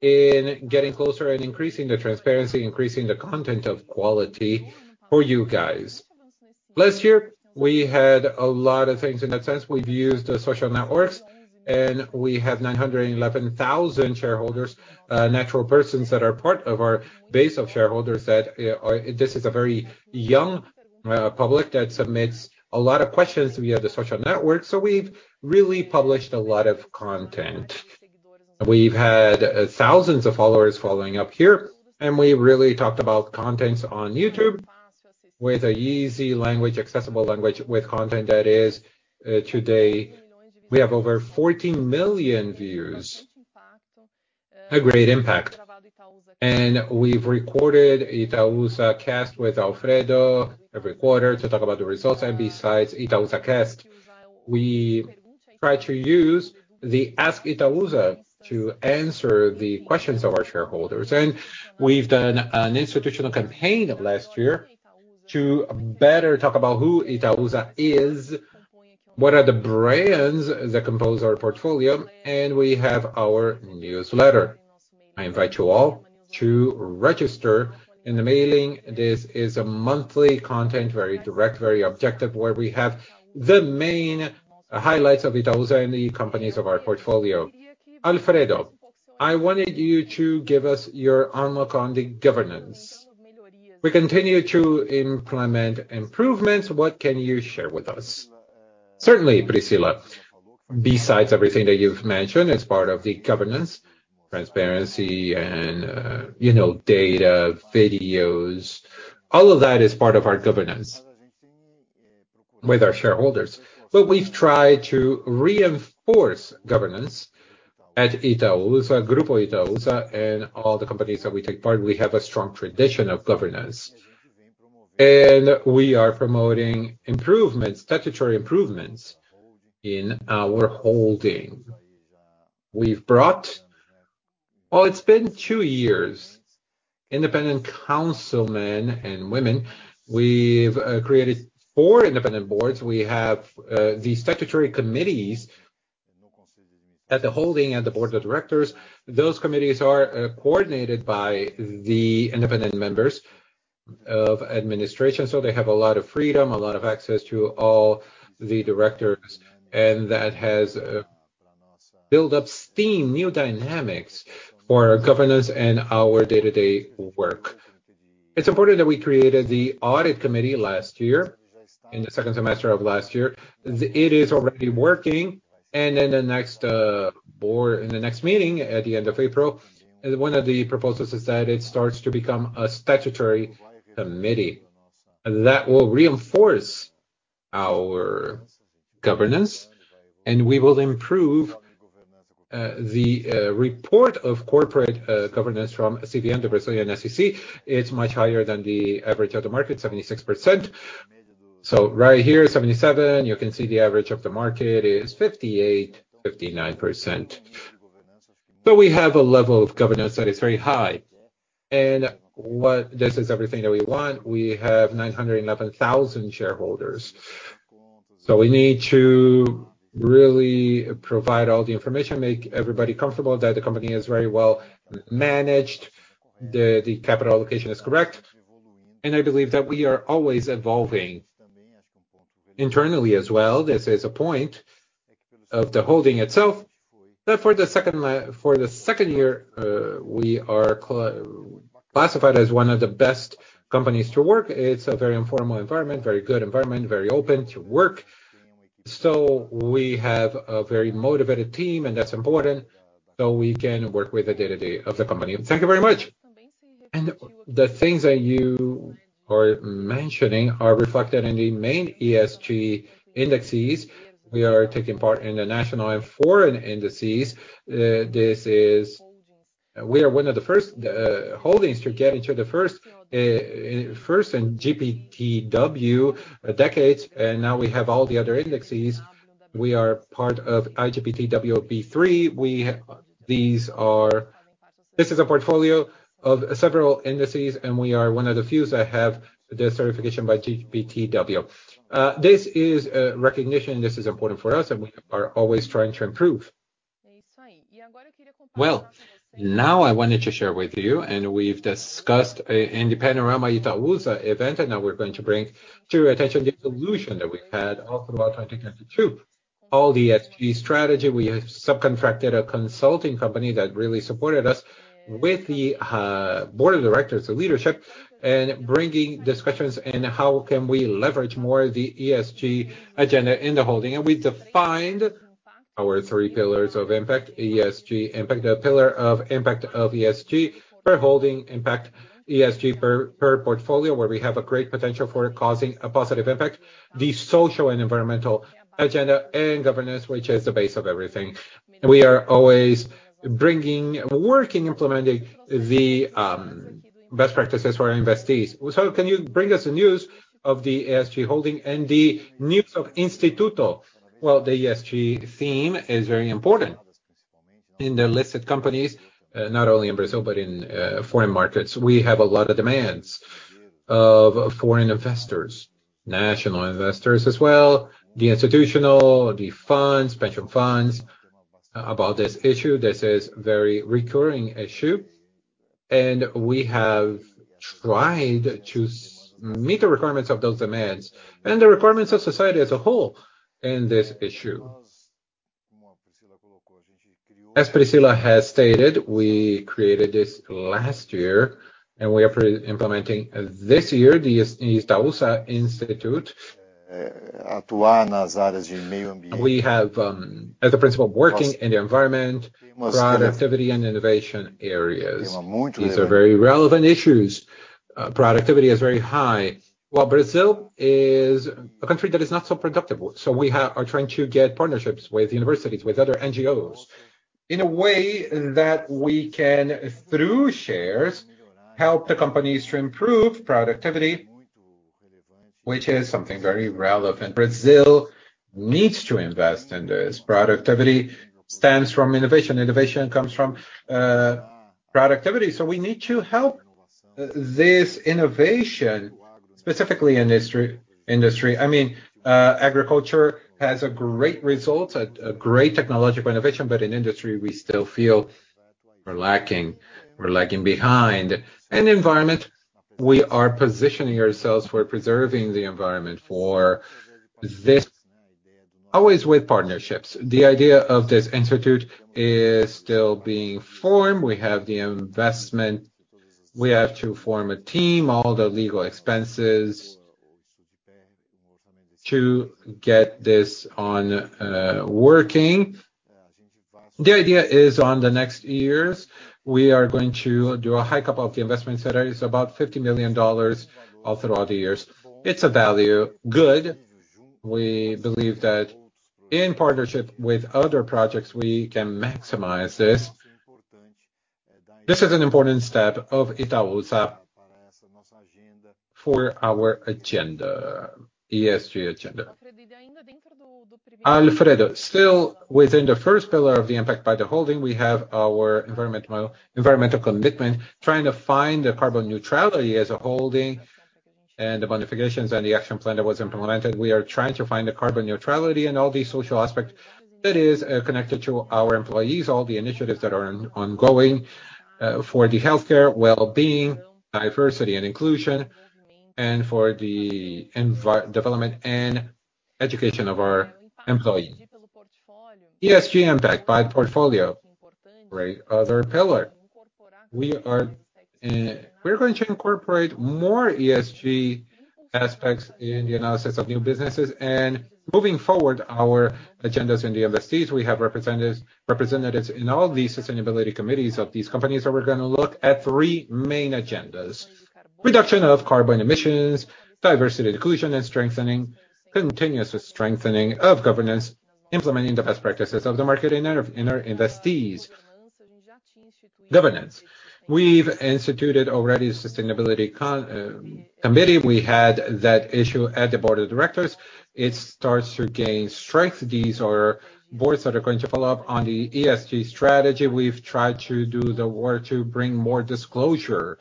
in getting closer and increasing the transparency, increasing the content of quality for you guys. Last year, we had a lot of things in that sense. We've used social networks, and we have 911,000 shareholders, natural persons that are part of our base of shareholders. This is a very young public that submits a lot of questions via the social network. We've really published a lot of content. We've had thousands of followers following up here, and we really talked about contents on YouTube with a easy language, accessible language, with content that is, today we have over 14 million views. A great impact. We've recorded ItaúsaCast with Alfredo every quarter to talk about the results. Besides ItaúsaCast, we try to use the Ask Itaúsa to answer the questions of our shareholders. We've done an institutional campaign of last year to better talk about who Itaúsa is, what are the brands that compose our portfolio, and we have our newsletter. I invite you all to register in the mailing. This is a monthly content, very direct, very objective, where we have the main highlights of Itaúsa and the companies of our portfolio. Alfredo, I wanted you to give us your unlock on the governance. We continue to implement improvements. What can you share with us? Certainly, Priscilla. Besides everything that you've mentioned as part of the governance, transparency and, you know, data, videos, all of that is part of our governance with our shareholders. We've tried to reinforce governance at Itaúsa, Grupo Itaúsa, and all the companies that we take part. We have a strong tradition of governance. We are promoting improvements, statutory improvements in our holding. We've brought Well, it's been two years, independent councilmen and women. We've created four independent boards. We have the statutory committees at the holding and the board of directors. Those committees are coordinated by the independent members of administration, so they have a lot of freedom, a lot of access to all the directors, and that has built up steam, new dynamics for governance and our day-to-day work. It's important that we created the audit committee last year, in the second semester of last year. It is already working, and in the next meeting at the end of April, one of the proposals is that it starts to become a statutory committee. That will reinforce our governance, and we will improve the report of corporate governance from CVM, the Brazilian SEC. It's much higher than the average of the market, 76%. Right here, 77, you can see the average of the market is 58%, 59%. We have a level of governance that is very high, and this is everything that we want. We have 911,000 shareholders. We need to really provide all the information, make everybody comfortable that the company is very well managed, the capital allocation is correct, and I believe that we are always evolving internally as well. This is a point of the holding itself, that for the second year, we are classified as one of the best companies to work. It's a very informal environment, very good environment, very open to work. We have a very motivated team, and that's important, so we can work with the day-to-day of the company. Thank you very much. The things that you are mentioning are reflected in the main ESG indexes. We are taking part in the national and foreign indices. We are one of the first holdings to get into the first first in GPTW decades. Now we have all the other indexes. We are part of IGPTW B3. This is a portfolio of several indices. We are one of the few that have the certification by GPTW. This is a recognition, this is important for us. We are always trying to improve. Well, now I wanted to share with you. We've discussed in the Panorama Itaúsa event. Now we're going to bring to your attention the evolution that we've had all throughout 2022. All the ESG strategy, we have subcontracted a consulting company that really supported us with the Board of Directors, the leadership, bringing discussions in how can we leverage more the ESG agenda in the holding. We defined our three pillars of impact, ESG impact, the pillar of impact of ESG per holding, impact ESG per portfolio, where we have a great potential for causing a positive impact, the social and environmental agenda, and governance, which is the base of everything. We are always bringing, working, implementing the best practices for our investees. Can you bring us the news of the ESG holding and the news of Instituto? The ESG theme is very important in the listed companies, not only in Brazil, but in foreign markets. We have a lot of demands of foreign investors, national investors as well, the institutional, the funds, pension funds about this issue. This is very recurring issue, and we have tried to meet the requirements of those demands and the requirements of society as a whole in this issue. As Priscilla has stated, we created this last year, we are implementing this year, the Itaúsa Institute. We have, as a principle, working in the environment, productivity and innovation areas. These are very relevant issues. Productivity is very high. While Brazil is a country that is not so productive, we are trying to get partnerships with universities, with other NGOs in a way that we can, through shares, help the companies to improve productivity, which is something very relevant. Brazil needs to invest in this. Productivity stems from innovation. Innovation comes from, productivity, we need to help this innovation, specifically industry. I mean, agriculture has a great result, a great technological innovation, in industry, we still feel we're lacking. We're lagging behind. Environment, we are positioning ourselves for preserving the environment for this, always with partnerships. The idea of this institute is still being formed. We have the investment. We have to form a team, all the legal expenses to get this on working. The idea is on the next years, we are going to do a high couple of the investments that are, it's about $50 million all throughout the years. It's a value. Good. We believe that in partnership with other projects, we can maximize this. This is an important step of Itaúsa for our ESG agenda. Alfredo, still within the first pillar of the impact by the holding, we have our environmental commitment, trying to find the carbon neutrality as a holding and the modifications and the action plan that was implemented. We are trying to find the carbon neutrality and all these social aspects that is connected to our employees, all the initiatives that are ongoing for the healthcare, well-being, diversity and inclusion, and for the development and education of our employees. ESG impact by portfolio, great other pillar. We are we're going to incorporate more ESG aspects in the analysis of new businesses and moving forward our agendas in the investees. We have representatives in all the sustainability committees of these companies, we're gonna look at three main agendas: reduction of carbon emissions, diversity and inclusion, and strengthening, continuous strengthening of governance, implementing the best practices of the market in our investees. Governance. We've instituted already a sustainability committee. We had that issue at the board of directors. It starts to gain strength. These are boards that are going to follow up on the ESG strategy. We've tried to do the work to bring more disclosure,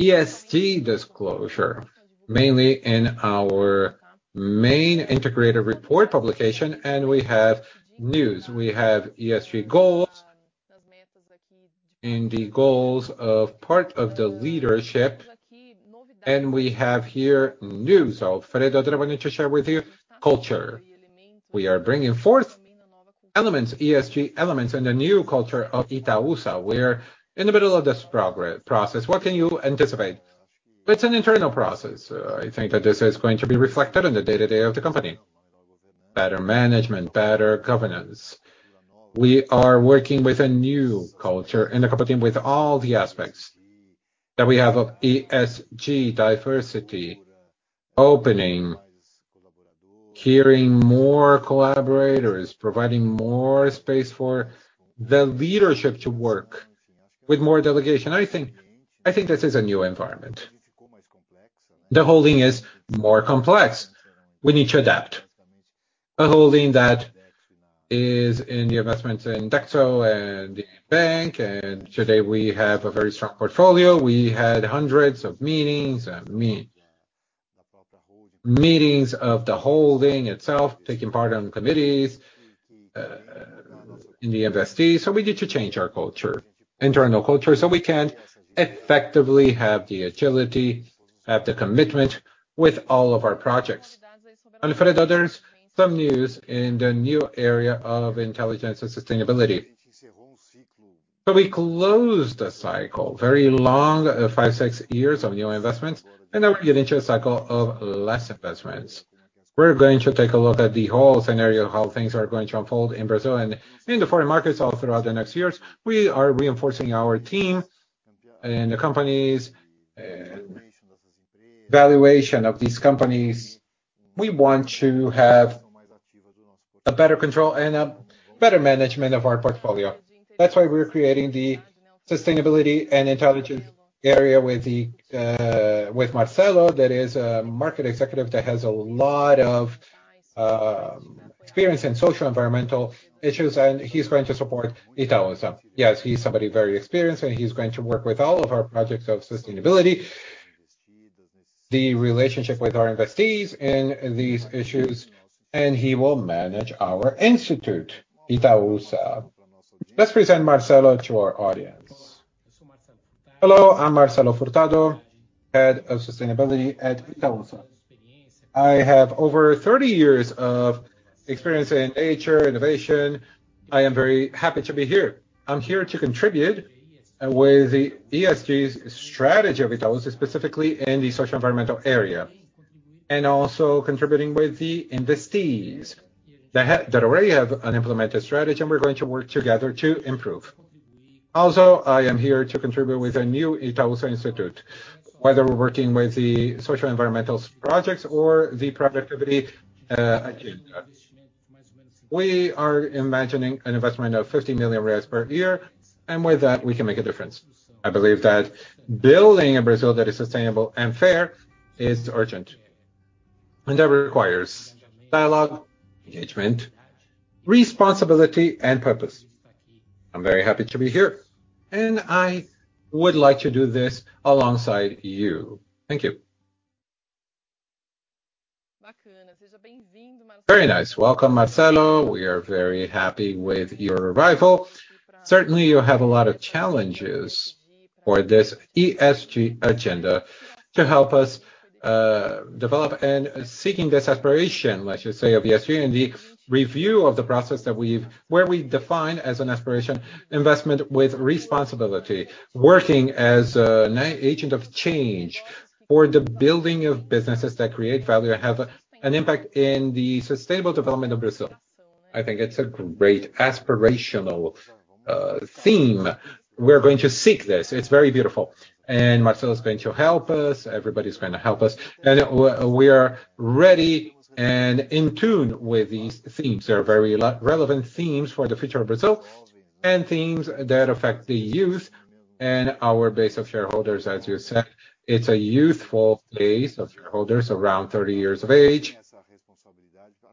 ESG disclosure, mainly in our main integrated report publication. We have news. We have ESG goals in the goals of part of the leadership. We have here news, Alfredo, that I wanted to share with you. Culture. We are bringing forth elements, ESG elements, in the new culture of Itaúsa. We're in the middle of this process. What can you anticipate? It's an internal process. I think that this is going to be reflected in the day-to-day of the company. Better management, better governance. We are working with a new culture in the company with all the aspects that we have of ESG, diversity, opening, hearing more collaborators, providing more space for the leadership to work with more delegation. I think this is a new environment. The holding is more complex. We need to adapt. A holding that is in the investments in Dexco and in bank, today we have a very strong portfolio. We had hundreds of meetings and meetings of the holding itself, taking part on committees, in the investees. We need to change our culture, internal culture, so we can effectively have the agility, have the commitment with all of our projects. Alfredo, there's some news in the new area of intelligence and sustainability. We closed the cycle, very long, five, six years of new investments, now we're getting to a cycle of less investments. We're going to take a look at the whole scenario, how things are going to unfold in Brazil and in the foreign markets all throughout the next years. We are reinforcing our team and the company's valuation of these companies. We want to have a better control and a better management of our portfolio. That's why we're creating the sustainability and intelligence area with the with Marcelo, that is a market executive that has a lot of experience in social-environmental issues, and he's going to support Itaúsa. Yes, he's somebody very experienced, and he's going to work with all of our projects of sustainability, the relationship with our investees in these issues, and he will manage our institute, Itaúsa. Let's present Marcelo to our audience. Hello, I'm Marcelo Furtado, Head of Sustainability at Itaúsa. I have over 30 years of experience in HR and innovation. I am very happy to be here. I'm here to contribute with the ESG strategy of Itaúsa, specifically in the social-environmental area, and also contributing with the investees that already have an implemented strategy, and we're going to work together to improve. I am here to contribute with the new Itaúsa Institute, whether we're working with the social-environmental projects or the productivity agenda. We are imagining an investment of 50 million reais per year, and with that, we can make a difference. I believe that building a Brazil that is sustainable and fair is urgent, and that requires dialogue, engagement, responsibility and purpose. I'm very happy to be here and I would like to do this alongside you. Thank you. Very nice. Welcome, Marcelo. We are very happy with your arrival. Certainly, you have a lot of challenges for this ESG agenda to help us develop and seeking this aspiration, let's just say, of ESG and the review of the process that we define as an aspiration investment with responsibility, working as an agent of change for the building of businesses that create value and have an impact in the sustainable development of Brazil. I think it's a great aspirational theme. We're going to seek this. It's very beautiful. Marcelo is going to help us, everybody is going to help us. We are ready and in tune with these themes. They're very relevant themes for the future of Brazil. Things that affect the youth and our base of shareholders. As you said, it's a youthful base of shareholders around 30 years of age.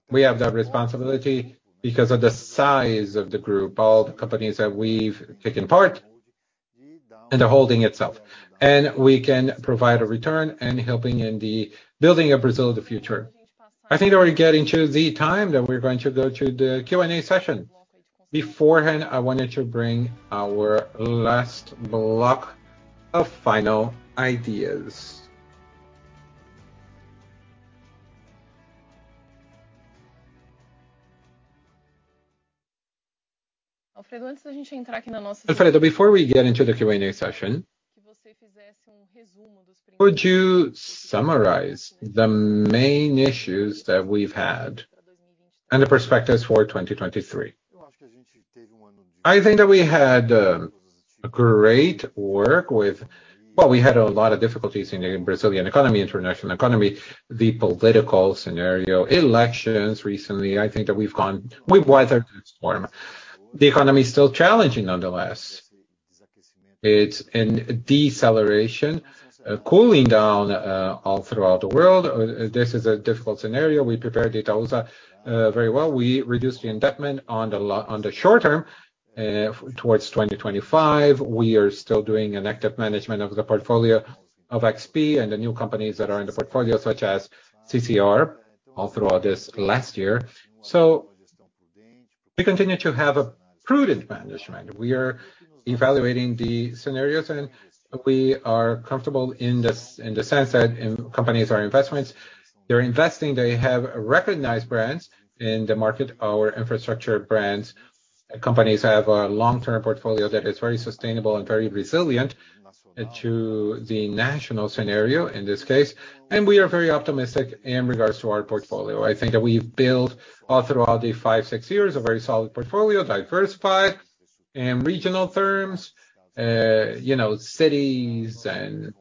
We have that responsibility because of the size of the group, all the companies that we've taken part and the holding itself. We can provide a return and helping in the building of Brazil of the future. I think that we're getting to the time that we're going to go to the Q&A session. Beforehand, I wanted to bring our last block of final ideas. Alfredo, before we get into the Q&A session, could you summarize the main issues that we've had and the perspectives for 2023? I think that we had a great work with. Well, we had a lot of difficulties in the Brazilian economy, international economy, the political scenario, elections recently. I think that we've weathered the storm. The economy is still challenging, nonetheless. It's in deceleration, cooling down, all throughout the world. This is a difficult scenario. We prepared Itaúsa very well. We reduced the indebtedness on the short term. Towards 2025, we are still doing an active management of the portfolio of XP and the new companies that are in the portfolio, such as CCR, all throughout this last year. We continue to have a prudent management. We are evaluating the scenarios, and we are comfortable in the sense that in companies, our investments, they're investing, they have recognized brands in the market, our infrastructure brands. Companies have a long-term portfolio that is very sustainable and very resilient to the national scenario in this case. We are very optimistic in regards to our portfolio. I think that we've built all throughout the five, six years a very solid portfolio, diversified in regional terms. You know, cities and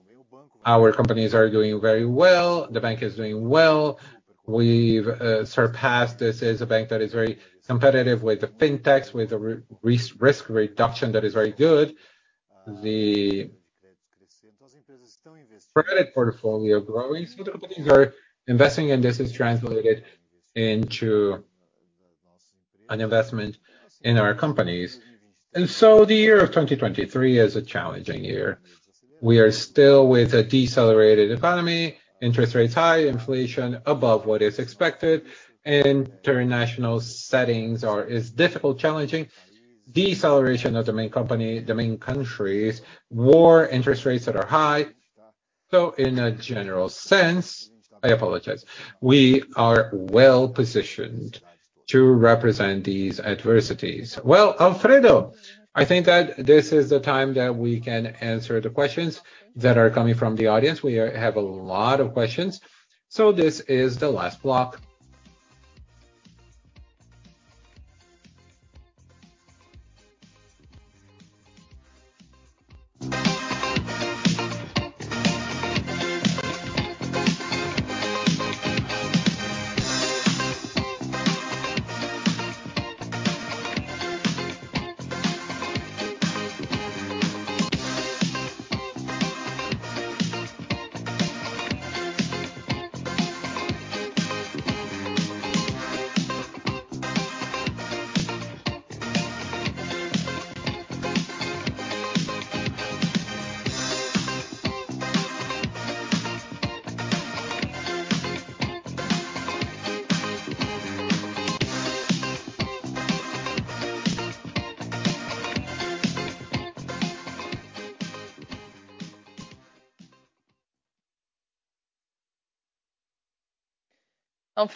our companies are doing very well. The bank is doing well. We've surpassed. This is a bank that is very competitive with the fintechs, with a risk reduction that is very good. The credit portfolio growing. The companies are investing, and this is translated into an investment in our companies. The year of 2023 is a challenging year. We are still with a decelerated economy, interest rates high, inflation above what is expected, international settings is difficult, challenging. Deceleration of the main company, the main countries, more interest rates that are high. In a general sense, I apologize. We are well-positioned to represent these adversities. Well, Alfredo, I think that this is the time that we can answer the questions that are coming from the audience. We have a lot of questions. This is the last block.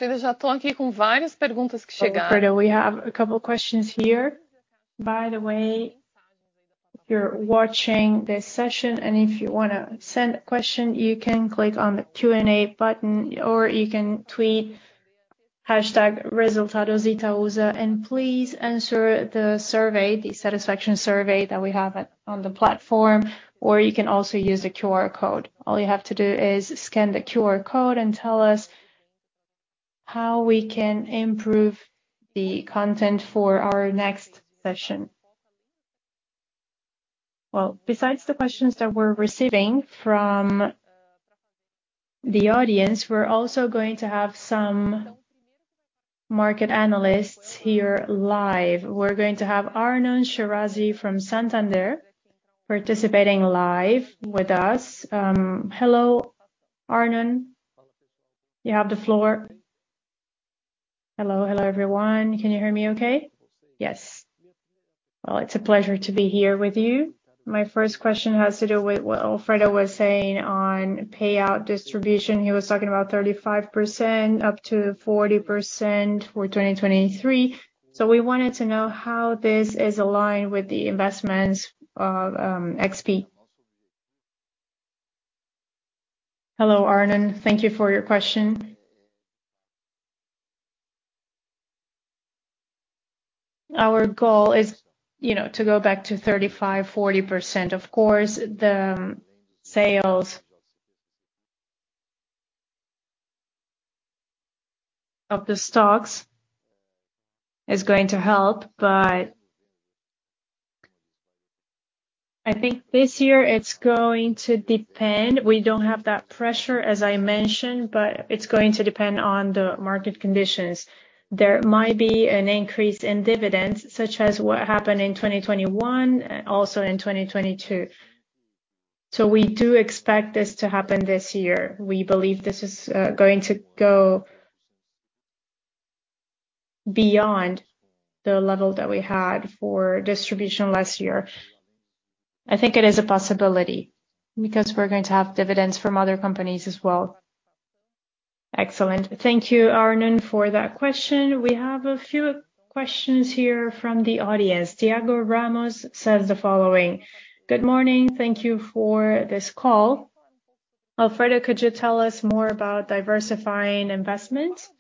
Alfredo, we have a couple questions here. If you're watching this session and if you want to send a question, you can click on the Q&A button, or you can tweet #resultadositaúsa. Please answer the survey, the satisfaction survey that we have on the platform. You can also use the QR code. All you have to do is scan the QR code and tell us how we can improve the content for our next session. Besides the questions that we're receiving from the audience, we're also going to have some market analysts here live. We're going to have Arnon Shirazi from Santander participating live with us. Hello, Arnon. You have the floor. Hello. Hello, everyone. Can you hear me okay? Yes. It's a pleasure to be here with you. My first question has to do with what Alfredo was saying on payout distribution. He was talking about 35% up to 40% for 2023. We wanted to know how this is aligned with the investments of XP? Hello, Arnon. Thank you for your question. Our goal is, you know, to go back to 35%-40%. Of course, the sales. Of the stocks is going to help, but I think this year it's going to depend. We don't have that pressure, as I mentioned, but it's going to depend on the market conditions. There might be an increase in dividends, such as what happened in 2021, also in 2022. We do expect this to happen this year. We believe this is going to go beyond the level that we had for distribution last year. I think it is a possibility because we're going to have dividends from other companies as well. Excellent. Thank you, Arnon, for that question. We have a few questions here from the audience. Tiago Ramos says the following: "Good morning. Thank you for this call. Alfredo, could you tell us more about diversifying investments?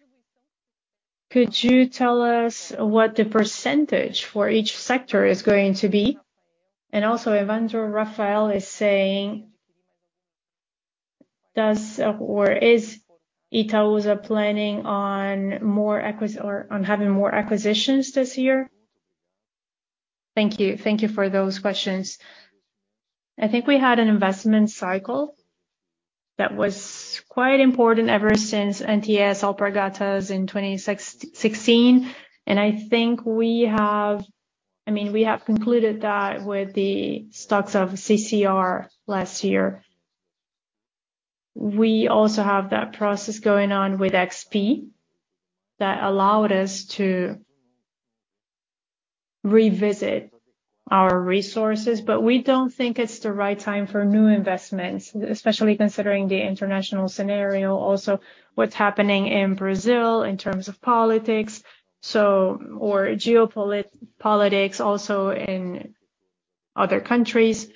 Could you tell us what the percentage for each sector is going to be? And also, Evandro Rafael is saying, "Does Itaúsa planning on having more acquisitions this year?" Thank you. Thank you for those questions. I think we had an investment cycle that was quite important ever since NTS Alpargatas in 2016. I think we have concluded that with the stocks of CCR last year. We also have that process going on with XP that allowed us to revisit our resources. We don't think it's the right time for new investments, especially considering the international scenario, also what's happening in Brazil in terms of politics, geopolitics also in other countries.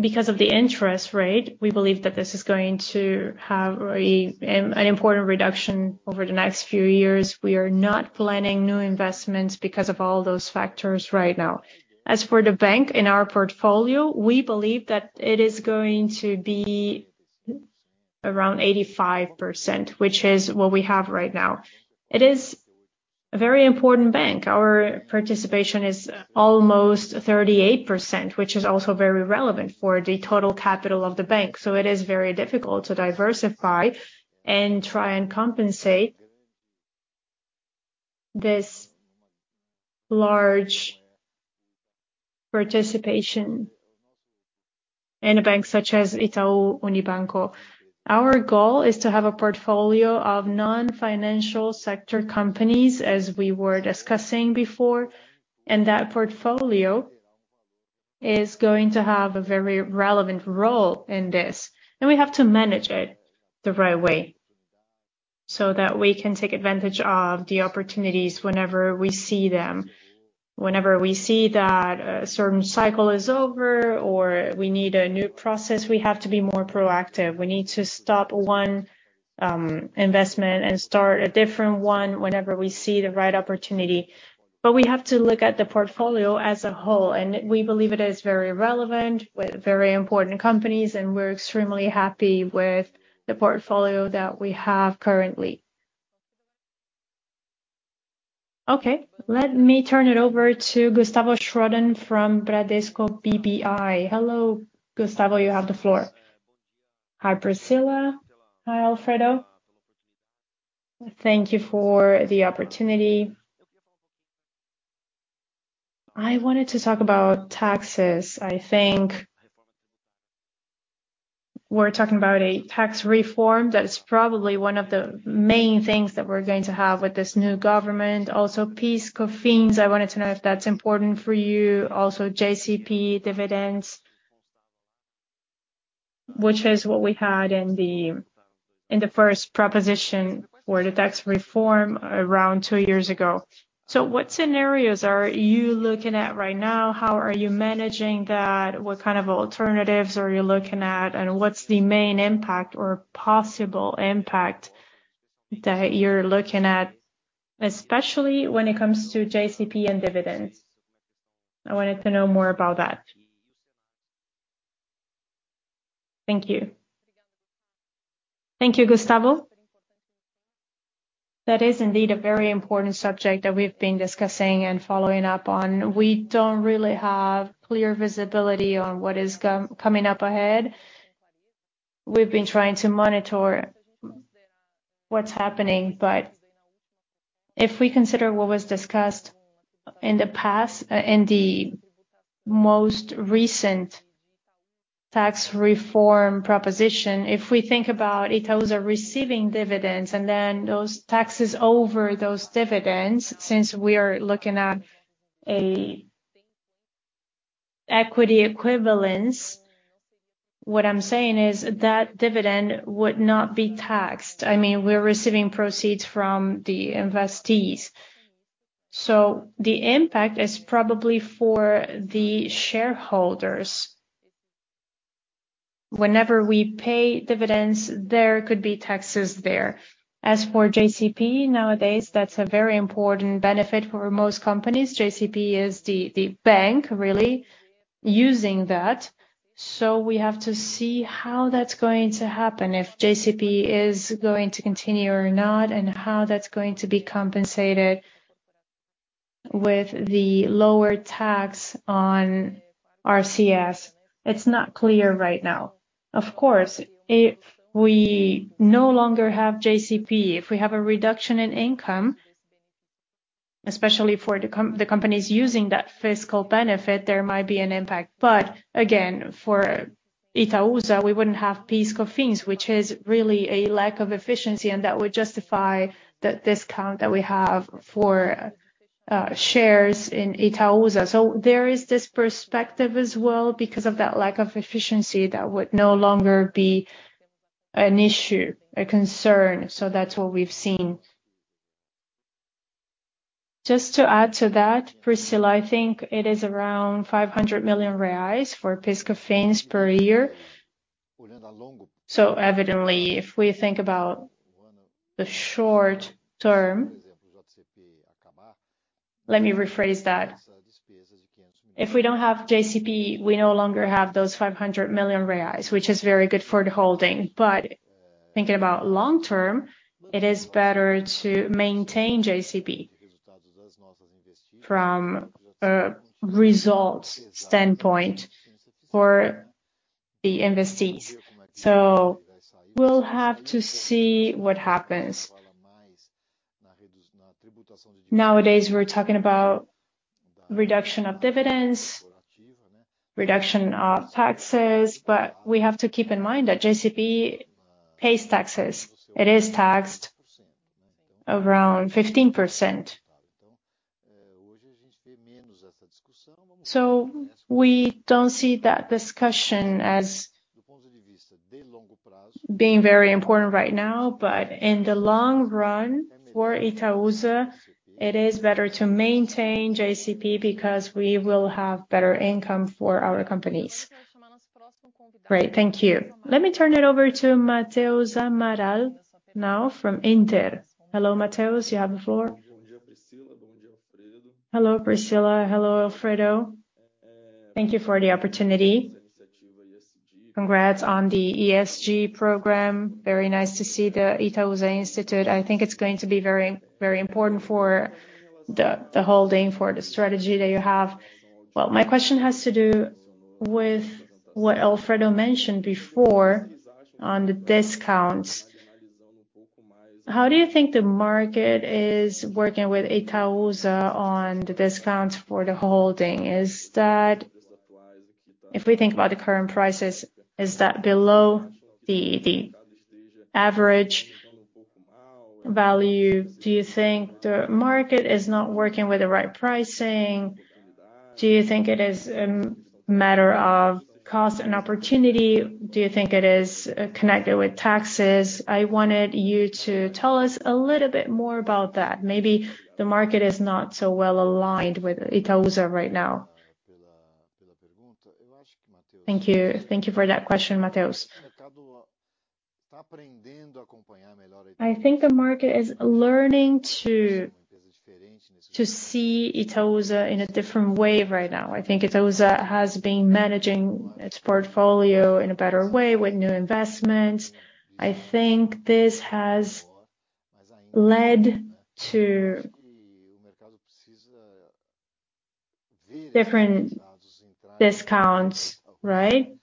Because of the interest rate, we believe that this is going to have an important reduction over the next few years. We are not planning new investments because of all those factors right now. As for the bank in our portfolio, we believe that it is going to be around 85%, which is what we have right now. It is a very important bank. Our participation is almost 38%, which is also very relevant for the total capital of the bank. It is very difficult to diversify and try and compensate this large participation in a bank such as Itaú Unibanco. Our goal is to have a portfolio of non-financial sector companies, as we were discussing before, and that portfolio is going to have a very relevant role in this. We have to manage it the right way so that we can take advantage of the opportunities whenever we see them. Whenever we see that a certain cycle is over or we need a new process, we have to be more proactive. We need to stop one investment and start a different one whenever we see the right opportunity. We have to look at the portfolio as a whole, and we believe it is very relevant with very important companies, and we're extremely happy with the portfolio that we have currently. Okay, let me turn it over to Gustavo Schroden from Bradesco BBI. Hello, Gustavo. You have the floor. Hi, Priscila. Hi, Alfredo. Thank you for the opportunity. I wanted to talk about taxes. I think we're talking about a tax reform. That is probably one of the main things that we're going to have with this new government. PIS/COFINS, I wanted to know if that's important for you. JCP dividends, which is what we had in the first proposition for the tax reform around two years ago. What scenarios are you looking at right now? How are you managing that? What kind of alternatives are you looking at, and what's the main impact or possible impact that you're looking at, especially when it comes to JCP and dividends? I wanted to know more about that. Thank you. Thank you, Gustavo. That is indeed a very important subject that we've been discussing and following up on. We don't really have clear visibility on what is coming up ahead. We've been trying to monitor what's happening. If we consider what was discussed in the past, in the most recent tax reform proposition, if we think about Itaúsa receiving dividends and then those taxes over those dividends, since we are looking at a equity equivalence, what I'm saying is that dividend would not be taxed. I mean, we're receiving proceeds from the investees. The impact is probably for the shareholders. Whenever we pay dividends, there could be taxes there. As for JCP, nowadays, that's a very important benefit for most companies. JCP is the bank really using that. We have to see how that's going to happen, if JCP is going to continue or not, and how that's going to be compensated with the lower tax on RCS. It's not clear right now. Of course, if we no longer have JCP, if we have a reduction in income, especially for the companies using that fiscal benefit, there might be an impact. Again, for Itaúsa, we wouldn't have PIS/COFINS, which is really a lack of efficiency, and that would justify the discount that we have for shares in Itaúsa. There is this perspective as well because of that lack of efficiency that would no longer be an issue, a concern. That's what we've seen. Just to add to that, Priscila, I think it is around 500 million reais for PIS/COFINS per year. Evidently, if we think about the short term... Let me rephrase that. If we don't have JCP, we no longer have those 500 million reais, which is very good for the holding. Thinking about long term, it is better to maintain JCP from a results standpoint for the investees. We'll have to see what happens. Nowadays, we're talking about reduction of dividends, reduction of taxes, but we have to keep in mind that JCP pays taxes. It is taxed around 15%. We don't see that discussion as being very important right now. In the long run, for Itaúsa, it is better to maintain JCP because we will have better income for our companies. Great. Thank you. Let me turn it over to Matheus Amaral now from Inter. Hello, Matheus. You have the floor. Hello, Priscila. Hello, Alfredo. Thank you for the opportunity. Congrats on the ESG program. Very nice to see the Itaúsa Institute. I think it's going to be very, very important for the holding, for the strategy that you have. My question has to do with what Alfredo mentioned before on the discounts. How do you think the market is working with Itaúsa on the discounts for the holding? Is that? If we think about the current prices, is that below the average value? Do you think the market is not working with the right pricing? Do you think it is a matter of cost and opportunity? Do you think it is connected with taxes? I wanted you to tell us a little bit more about that. Maybe the market is not so well aligned with Itaúsa right now. Thank you. Thank you for that question, Mateus. I think the market is learning to see Itaúsa in a different way right now. I think Itaúsa has been managing its portfolio in a better way with new investments. I think this has led to different discounts, right?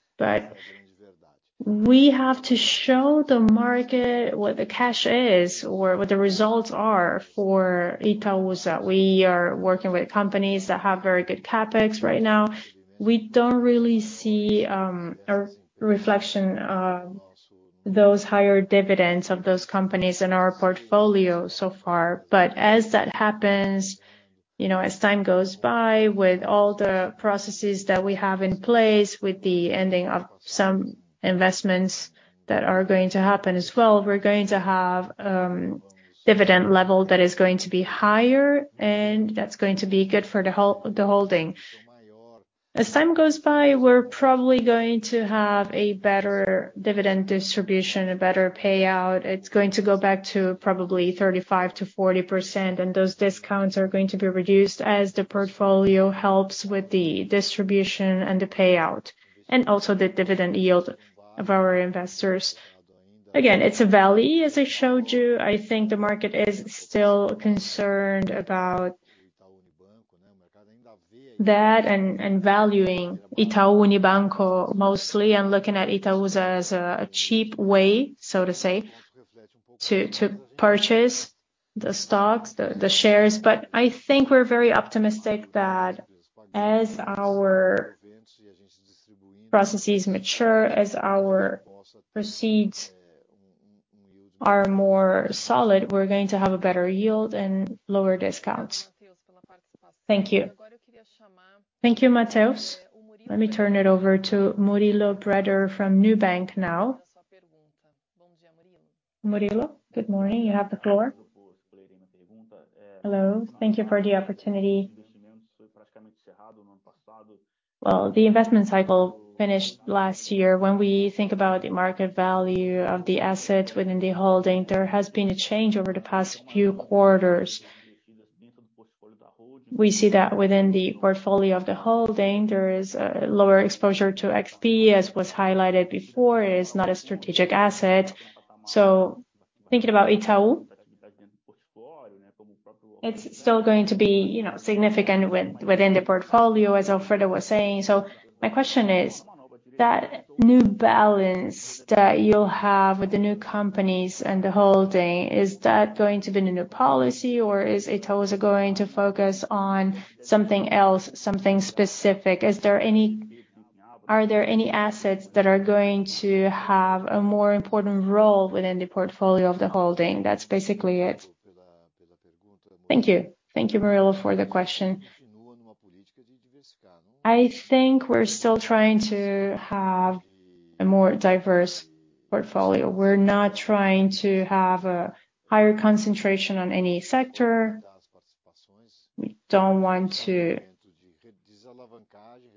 We have to show the market what the cash is or what the results are for Itaúsa. We are working with companies that have very good CapEx right now. We don't really see a reflection of those higher dividends of those companies in our portfolio so far. As that happens, you know, as time goes by, with all the processes that we have in place, with the ending of some investments that are going to happen as well, we're going to have a dividend level that is going to be higher, and that's going to be good for the holding. As time goes by, we're probably going to have a better dividend distribution, a better payout. It's going to go back to probably 35%-40%, and those discounts are going to be reduced as the portfolio helps with the distribution and the payout, and also the dividend yield of our investors. Again, it's a valley, as I showed you. I think the market is still concerned about that and valuing Itaú Unibanco mostly and looking at Itaúsa as a cheap way, so to say, to purchase the stocks, the shares. But I think we're very optimistic that as our processes mature, as our proceeds are more solid, we're going to have a better yield and lower discounts. Thank you. Thank you, Mateus. Let me turn it over to Murilo Breder from Nubank now. Murilo, good morning. You have the floor. Hello. Thank you for the opportunity. Well, the investment cycle finished last year. When we think about the market value of the asset within the holding, there has been a change over the past few quarters. We see that within the portfolio of the holding, there is a lower exposure to XP as was highlighted before, is not a strategic asset. Thinking about Itaú, it's still going to be, you know, significant within the portfolio as Alfredo was saying. My question is: That new balance that you'll have with the new companies and the holding, is that going to be the new policy or is Itaú going to focus on something else, something specific? Are there any assets that are going to have a more important role within the portfolio of the holding? That's basically it. Thank you. Thank you, Murilo, for the question. I think we're still trying to have a more diverse portfolio. We're not trying to have a higher concentration on any sector. We don't want to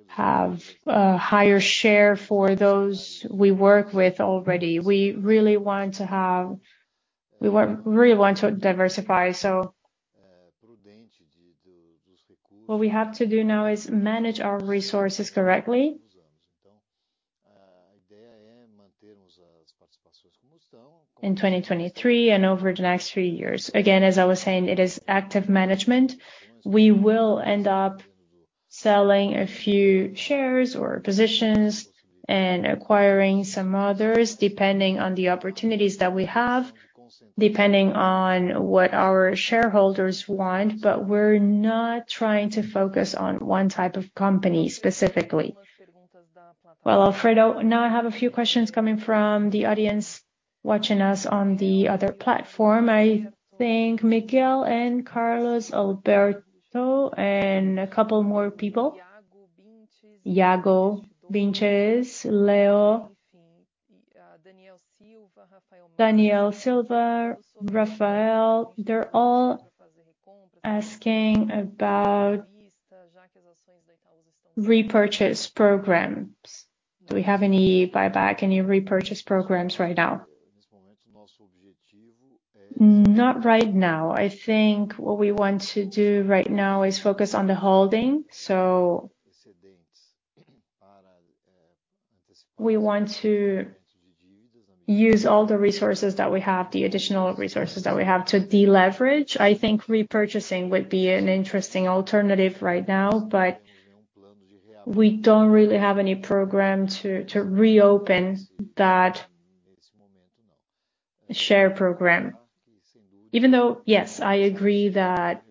have a higher share for those we work with already. We really want to diversify. What we have to do now is manage our resources correctly. In 2023 and over the next three years. Again, as I was saying, it is active management. We will end up selling a few shares or positions and acquiring some others depending on the opportunities that we have, depending on what our shareholders want. We're not trying to focus on one type of company specifically. Well, Alfredo, now I have a few questions coming from the audience watching us on the other platform. I think Miguel and Carlos Alberto and a couple more people. Iago Vinicius, Leo, Daniel Silva, Rafael. They're all asking about repurchase programs. Do we have any buyback, any repurchase programs right now? Not right now. I think what we want to do right now is focus on the holding. We want to use all the resources that we have, the additional resources that we have to deleverage. I think repurchasing would be an interesting alternative right now, we don't really have any program to reopen that share program. Even though, yes, I agree that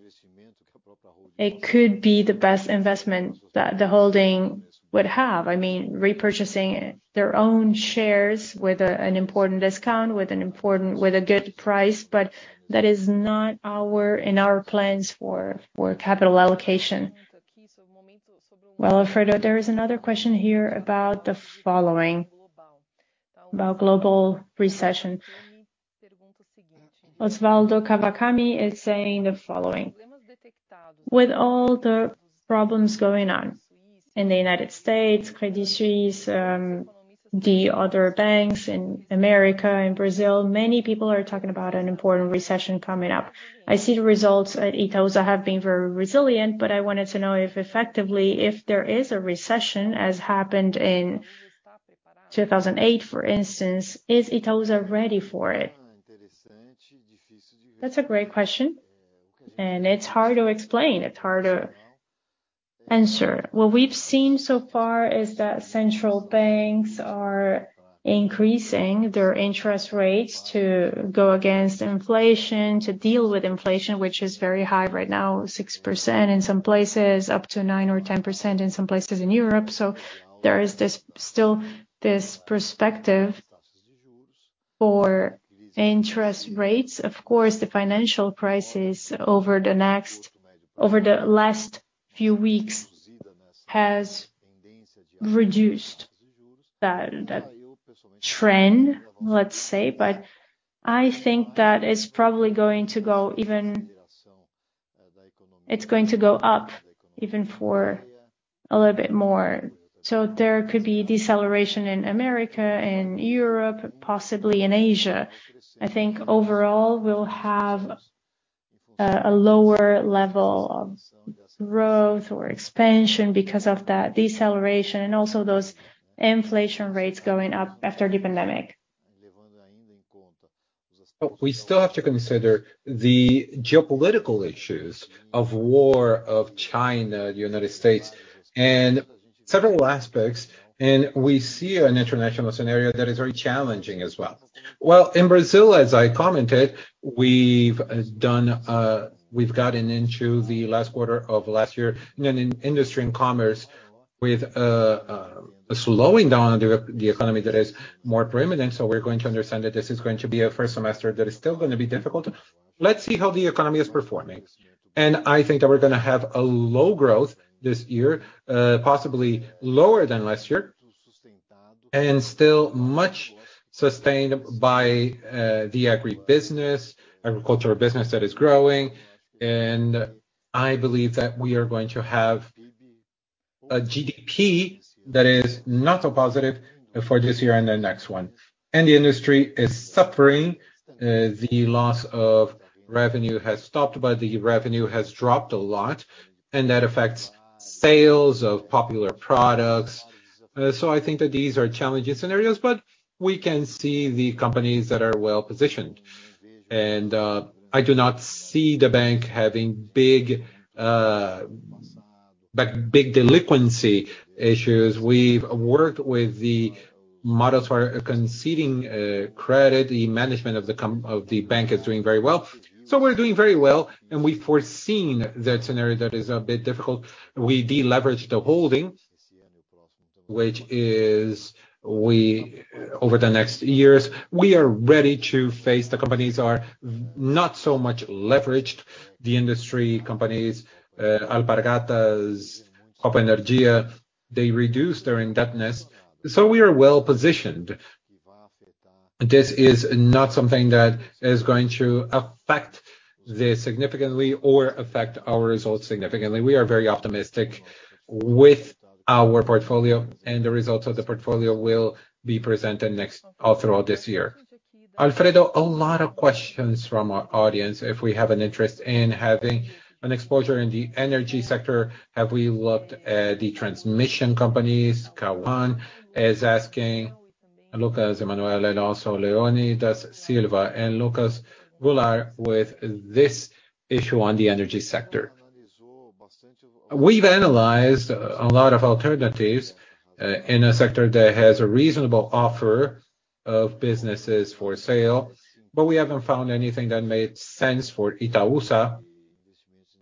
it could be the best investment that the holding would have. I mean, repurchasing their own shares with a, an important discount, with a good price, that is not in our plans for capital allocation. Well, Alfredo, there is another question here about the following. About global recession. With all the problems going on in the United States, Credit Suisse, the other banks in America and Brazil, many people are talking about an important recession coming up. I see the results at Itaú have been very resilient. I wanted to know if effectively, if there is a recession as happened in 2008, for instance, is Itaú ready for it? That's a great question. It's hard to explain. It's hard to answer. What we've seen so far is that central banks are increasing their interest rates to go against inflation, to deal with inflation, which is very high right now, 6% in some places, up to 9% or 10% in some places in Europe. There is still this perspective for interest rates. Of course, the financial crisis over the last few weeks has reduced the trend, let's say. I think that it's probably going to go up even for a little bit more. There could be deceleration in America and Europe, possibly in Asia. I think overall we'll have a lower level of growth or expansion because of that deceleration and also those inflation rates going up after the pandemic. We still have to consider the geopolitical issues of war of China, United States and several aspects, and we see an international scenario that is very challenging as well. In Brazil, as I commented, we've gotten into the last quarter of last year in an industry and commerce with a slowing down the economy that is more prominent. We're going to understand that this is going to be a first semester that is still going to be difficult. Let's see how the economy is performing. I think that we're going to have a low growth this year, possibly lower than last year, and still much sustained by the agribusiness, agricultural business that is growing. I believe that we are going to have a GDP that is not so positive for this year and the next one. The industry is suffering. The loss of revenue has stopped, but the revenue has dropped a lot, and that affects sales of popular products. I think that these are challenging scenarios, but we can see the companies that are well-positioned. I do not see the bank having big, like, big delinquency issues. We've worked with the models for conceding credit. The management of the bank is doing very well. We're doing very well, and we've foreseen that scenario that is a bit difficult. We de-leverage the holding, over the next years, we are ready to face. The companies are not so much leveraged. The industry companies, Alpargatas, Copa Energia, they reduce their indebtedness. We are well-positioned. This is not something that is going to affect this significantly or affect our results significantly. We are very optimistic with our portfolio, and the results of the portfolio will be presented throughout this year. Alfredo, a lot of questions from our audience. If we have an interest in having an exposure in the energy sector, have we looked at the transmission companies? Kawan is asking. Lucas Emmanuel, and also Leonidas Silva and Lucas Goulart with this issue on the energy sector. We've analyzed a lot of alternatives, in a sector that has a reasonable offer of businesses for sale, but we haven't found anything that made sense for Itaúsa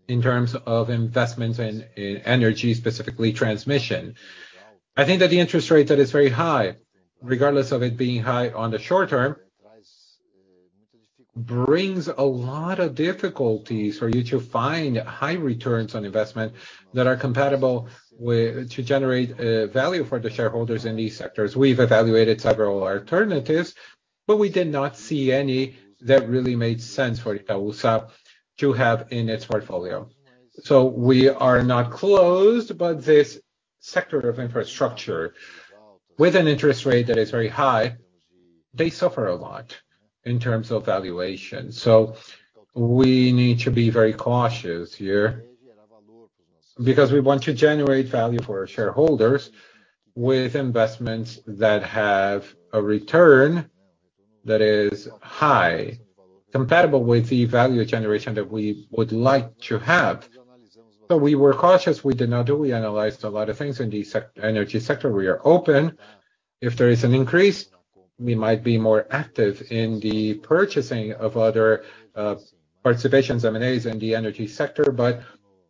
in terms of investments in energy, specifically transmission. I think that the interest rate that is very high, regardless of it being high on the short term, brings a lot of difficulties for you to find high returns on investment that are compatible with to generate value for the shareholders in these sectors. We've evaluated several alternatives, but we did not see any that really made sense for Itaúsa to have in its portfolio. We are not closed. This sector of infrastructure, with an interest rate that is very high, they suffer a lot in terms of valuation. We need to be very cautious here because we want to generate value for our shareholders with investments that have a return that is high, compatible with the value generation that we would like to have. We were cautious. We did not. We analyzed a lot of things in the energy sector. We are open. If there is an increase, we might be more active in the purchasing of other participations, M&As in the energy sector.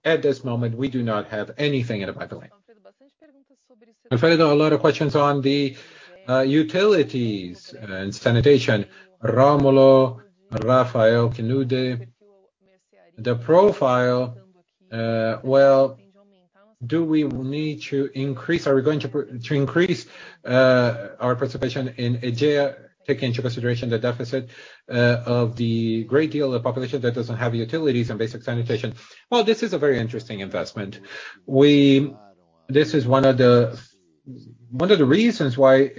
At this moment, we do not have anything in the pipeline. Alfredo, a lot of questions on the utilities and sanitation. Rómulo, Rafael Kanude. The profile, Are we going to increase our participation in Aegea, taking into consideration the deficit of the great deal of population that doesn't have utilities and basic sanitation? This is a very interesting investment. This is one of the reasons why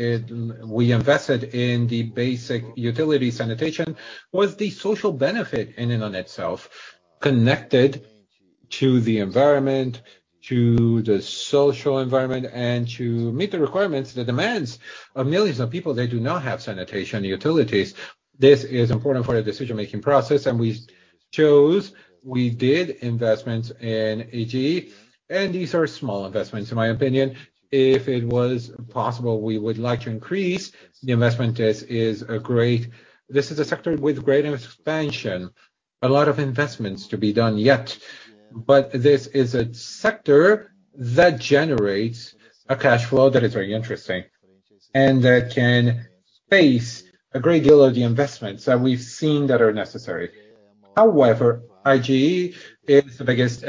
we invested in the basic utility sanitation was the social benefit in and on itself, connected to the environment, to the social environment, and to meet the requirements, the demands of millions of people that do not have sanitation utilities. This is important for the decision-making process. We chose, we did investments in Aegea. These are small investments, in my opinion. If it was possible, we would like to increase the investment. This is a sector with great expansion, a lot of investments to be done yet. This is a sector that generates a cash flow that is very interesting and that can face a great deal of the investments that we've seen that are necessary. Aegea is the biggest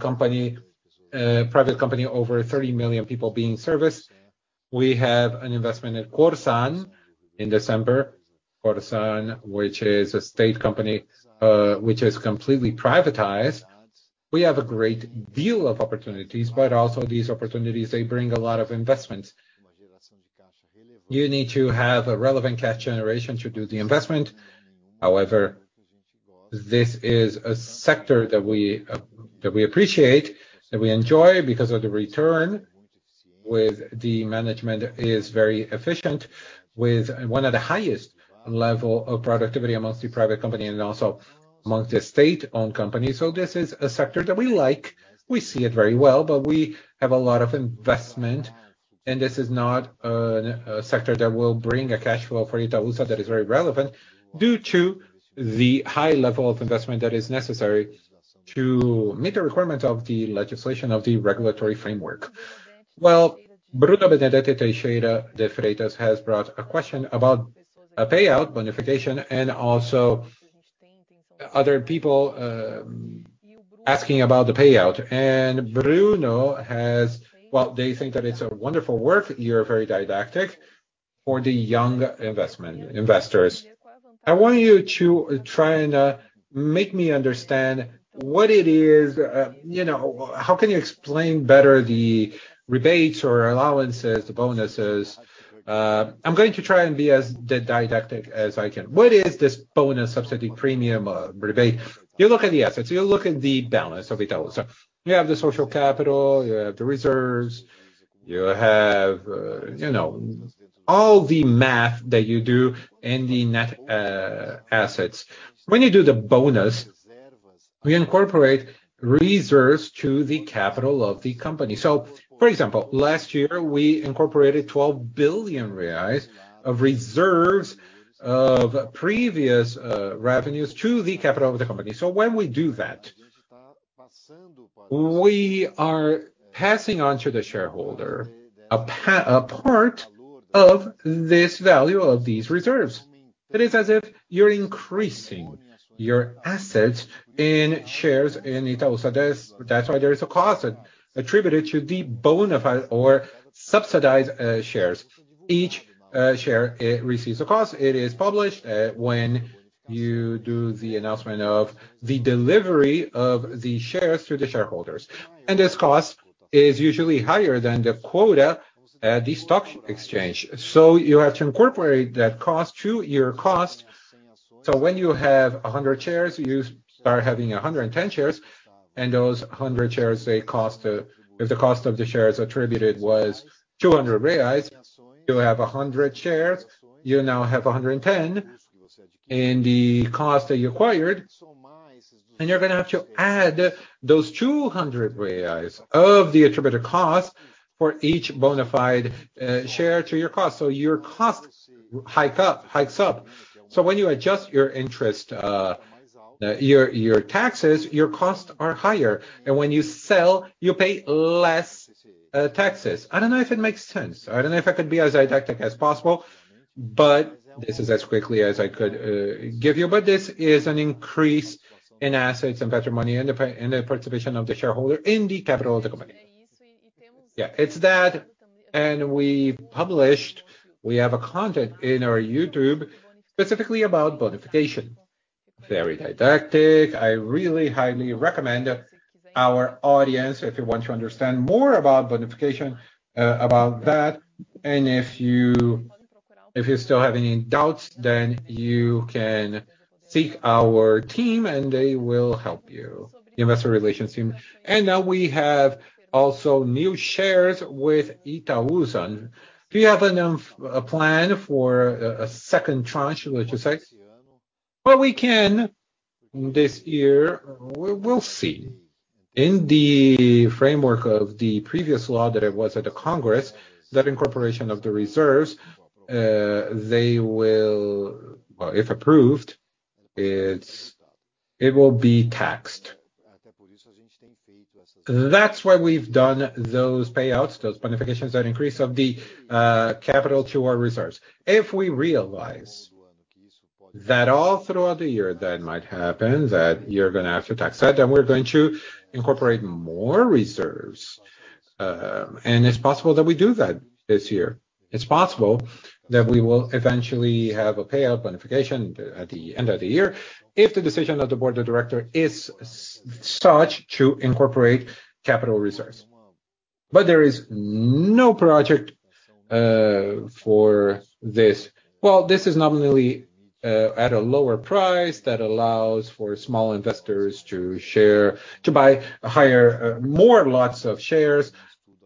company, private company, over 30 million people being serviced. We have an investment at Corsan in December. Corsan, which is a state company, which is completely privatized. We have a great deal of opportunities. Also these opportunities, they bring a lot of investments. You need to have a relevant cash generation to do the investment. However, this is a sector that we that we appreciate, that we enjoy because of the return with the management is very efficient, with one of the highest level of productivity amongst the private company and also amongst the state-owned company. This is a sector that we like. We see it very well, but we have a lot of investment, and this is not a sector that will bring a cash flow for Itaúsa that is very relevant due to the high level of investment that is necessary to meet the requirements of the legislation of the regulatory framework. Bruno Benedetti Teixeira de Freitas has brought a question about a payout bonification and also other people asking about the payout. They think that it's a wonderful work. You're very didactic for the young investors. I want you to try and make me understand what it is, you know, how can you explain better the rebates or allowances, the bonuses. I'm going to try and be as didactic as I can. What is this bonus subsidy premium, rebate? You look at the assets, you look at the balance of Itaú. You have the social capital, you have the reserves, you have, you know, all the math that you do in the net assets. When you do the bonus, we incorporate reserves to the capital of the company. For example, last year we incorporated 12 billion reais of reserves of previous revenues to the capital of the company. When we do that, we are passing on to the shareholder a part of this value of these reserves. It is as if you're increasing your assets in shares in Itaú. That's why there is a cost attributed to the bonafide or subsidized shares. Each share, it receives a cost. It is published when you do the announcement of the delivery of the shares to the shareholders. This cost is usually higher than the quota at the stock exchange. You have to incorporate that cost to your cost. When you have 100 shares, you start having 110 shares, and those 100 shares, they cost, if the cost of the shares attributed was 200 reais, you have 100 shares, you now have 110 in the cost that you acquired, and you're gonna have to add those 200 reais of the attributed cost for each bonafide share to your cost. Your cost hike up, hikes up. When you adjust your interest, your taxes, your costs are higher. When you sell, you pay less taxes. I don't know if it makes sense. I don't know if I could be as didactic as possible, but this is as quickly as I could give you. This is an increase in assets and better money in the participation of the shareholder in the capital of the company. Yeah, it's that, we published, we have a content in our YouTube specifically about bonification. Very didactic. I really highly recommend our audience if you want to understand more about bonification about that. If you, if you still have any doubts, then you can seek our team and they will help you, the investor relations team. Now we have also new shares with Itaúsa. Do you have enough, a plan for a second tranche, let's just say? We can this year. We'll see. In the framework of the previous law that it was at the Congress, that incorporation of the reserves, if approved, it will be taxed. That's why we've done those payouts, those bonifications, that increase of the capital to our reserves. If we realize that all throughout the year that might happen, that you're gonna have to tax that, then we're going to incorporate more reserves, it's possible that we do that this year. It's possible that we will eventually have a payout bonification at the end of the year if the decision of the board of director is such to incorporate capital reserves. There is no project for this. Well, this is nominally at a lower price that allows for small investors to share, to buy higher, more lots of shares.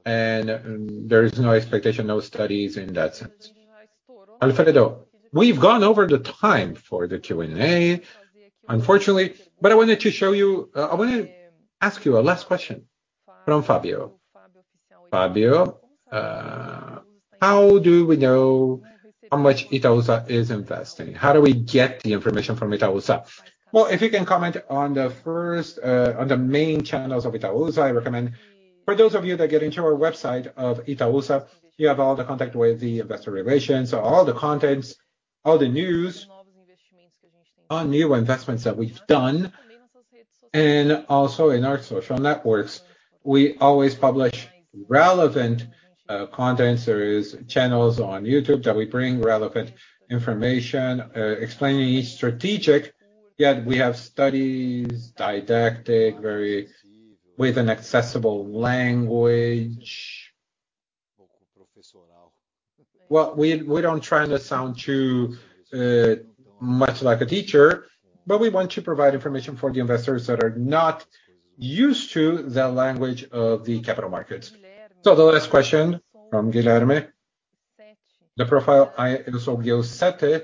There is no expectation, no studies in that sense. Alfredo, we've gone over the time for the Q&A, unfortunately. I wanted to show you, I wanna ask you a last question from Fabio. Fabio, how do we know how much Itaúsa is investing? How do we get the information from Itaúsa? Well, if you can comment on the first, on the main channels of Itaúsa, I recommend for those of you that get into our website of Itaúsa, you have all the contact with the investor relations. All the contents, all the news on new investments that we've done, also in our social networks, we always publish relevant contents. There is channels on YouTube that we bring relevant information, explaining each strategic. Yet we have studies, didactic, very with an accessible language. Well, we don't try to sound too much like a teacher, but we want to provide information for the investors that are not used to the language of the capital markets. The last question from Guilherme. The profile, I also gave seven.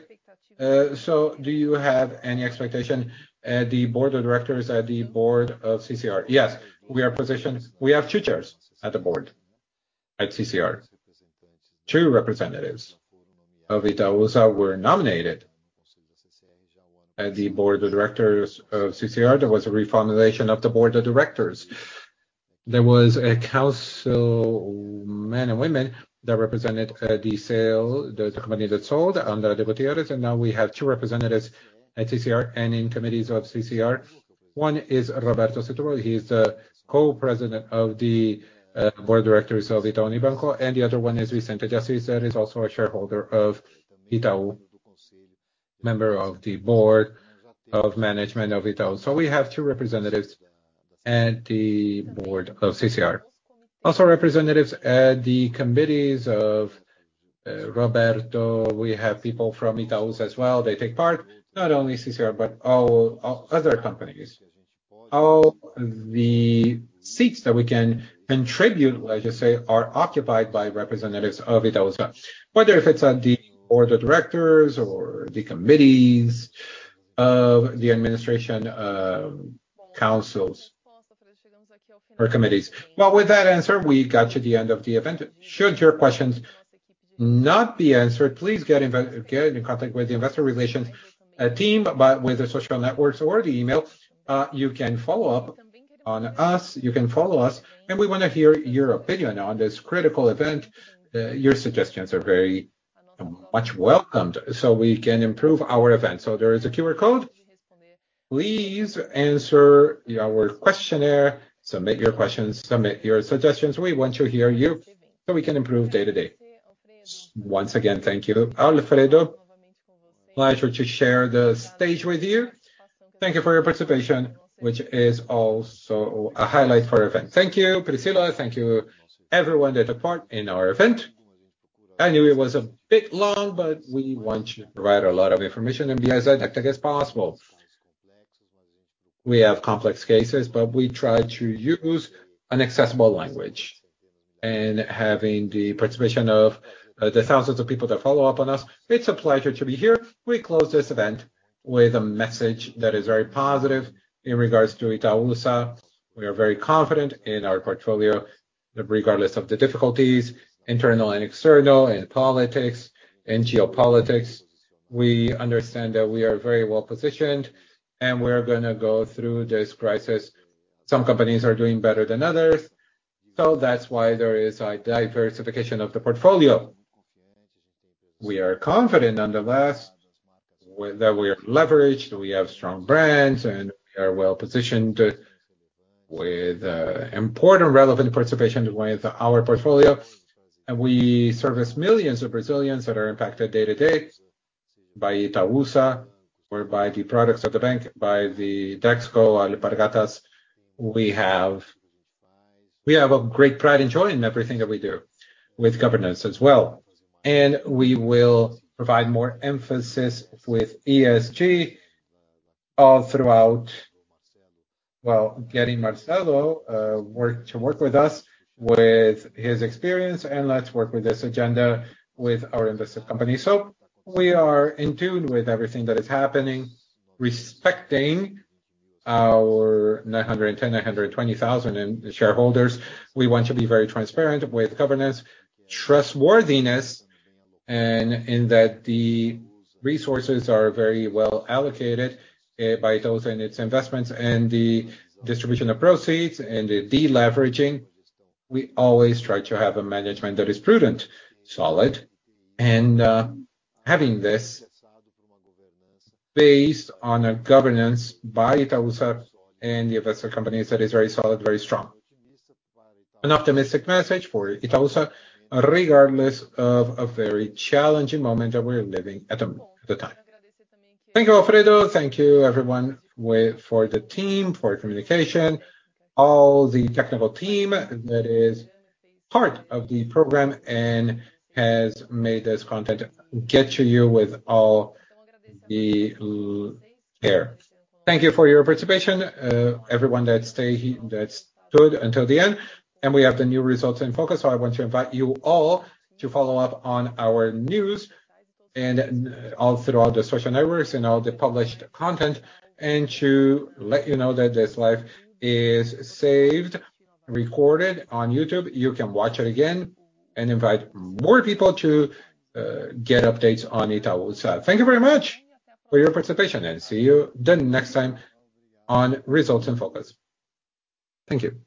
Do you have any expectation at the board of directors at the board of CCR? Yes, we are positioned. We have two chairs at the board at CCR. Two representatives of Itaúsa were nominated at the board of directors of CCR. There was a refoundation of the board of directors. There was a council, men and women, that represented the sale, the company that sold under the voters, now we have two representatives at CCR and in committees of CCR. One is Roberto Setubal. He's the Co-President of the Board of Directors of Itaú Unibanco, the other one is Pedro Moreira Salles, that is also a shareholder of Itaú, member of the Board of Management of Itaú. We have two representatives at the board of CCR. Also representatives at the committees of Roberto. We have people from Itaú as well. They take part, not only CCR, but all other companies. All the seats that we can contribute, like you say, are occupied by representatives of Itaúsa, whether if it's on the board of directors or the committees of the administration, councils or committees. With that answer, we got to the end of the event. Should your questions not be answered, please get in contact with the investor relations team, with the social networks or the email. You can follow up on us. You can follow us and we wanna hear your opinion on this critical event. Your suggestions are very much welcomed so we can improve our event. There is a QR code. Please answer our questionnaire, submit your questions, submit your suggestions. We want to hear you so we can improve day to day. Once again, thank you, Alfredo. Pleasure to share the stage with you. Thank you for your participation, which is also a highlight for our event. Thank you, Priscila. Thank you everyone that took part in our event. I knew it was a bit long, but we want to provide a lot of information and be as didactic as possible. We have complex cases, but we try to use an accessible language and having the participation of the thousands of people that follow up on us, it's a pleasure to be here. We close this event with a message that is very positive in regards to Itaúsa. We are very confident in our portfolio, regardless of the difficulties, internal and external, in politics, in geopolitics. We understand that we are very well-positioned and we're gonna go through this crisis. Some companies are doing better than others, so that's why there is a diversification of the portfolio. We are confident, nonetheless, that we are leveraged, we have strong brands, and we are well-positioned with important relevant participation with our portfolio. We service millions of Brazilians that are impacted day to day by Itaúsa or by the products of the bank, by Dexco and Alpargatas. We have a great pride and joy in everything that we do with governance as well. We will provide more emphasis with ESG all throughout. Well, getting Marcelo to work with us, with his experience, and let's work with this agenda with our invested companies. We are in tune with everything that is happening, respecting our 910,000, 920,000 in shareholders. We want to be very transparent with governance, trustworthiness, and in that the resources are very well allocated by those in its investments and the distribution of proceeds and the deleveraging. We always try to have a management that is prudent, solid, and having this based on a governance by Itaúsa and the investor companies that is very solid, very strong. An optimistic message for Itaúsa, regardless of a very challenging moment that we're living at the time. Thank you, Alfredo. Thank you everyone for the team, for communication, all the technical team that is part of the program and has made this content get to you with all the care. Thank you for your participation, everyone that stood until the end. We have the new Results in Focus. I want to invite you all to follow up on our news and all throughout the social networks and all the published content. To let you know that this live is saved, recorded on YouTube. You can watch it again and invite more people to get updates on Itaúsa. Thank you very much for your participation and see you the next time on Results in Focus. Thank you.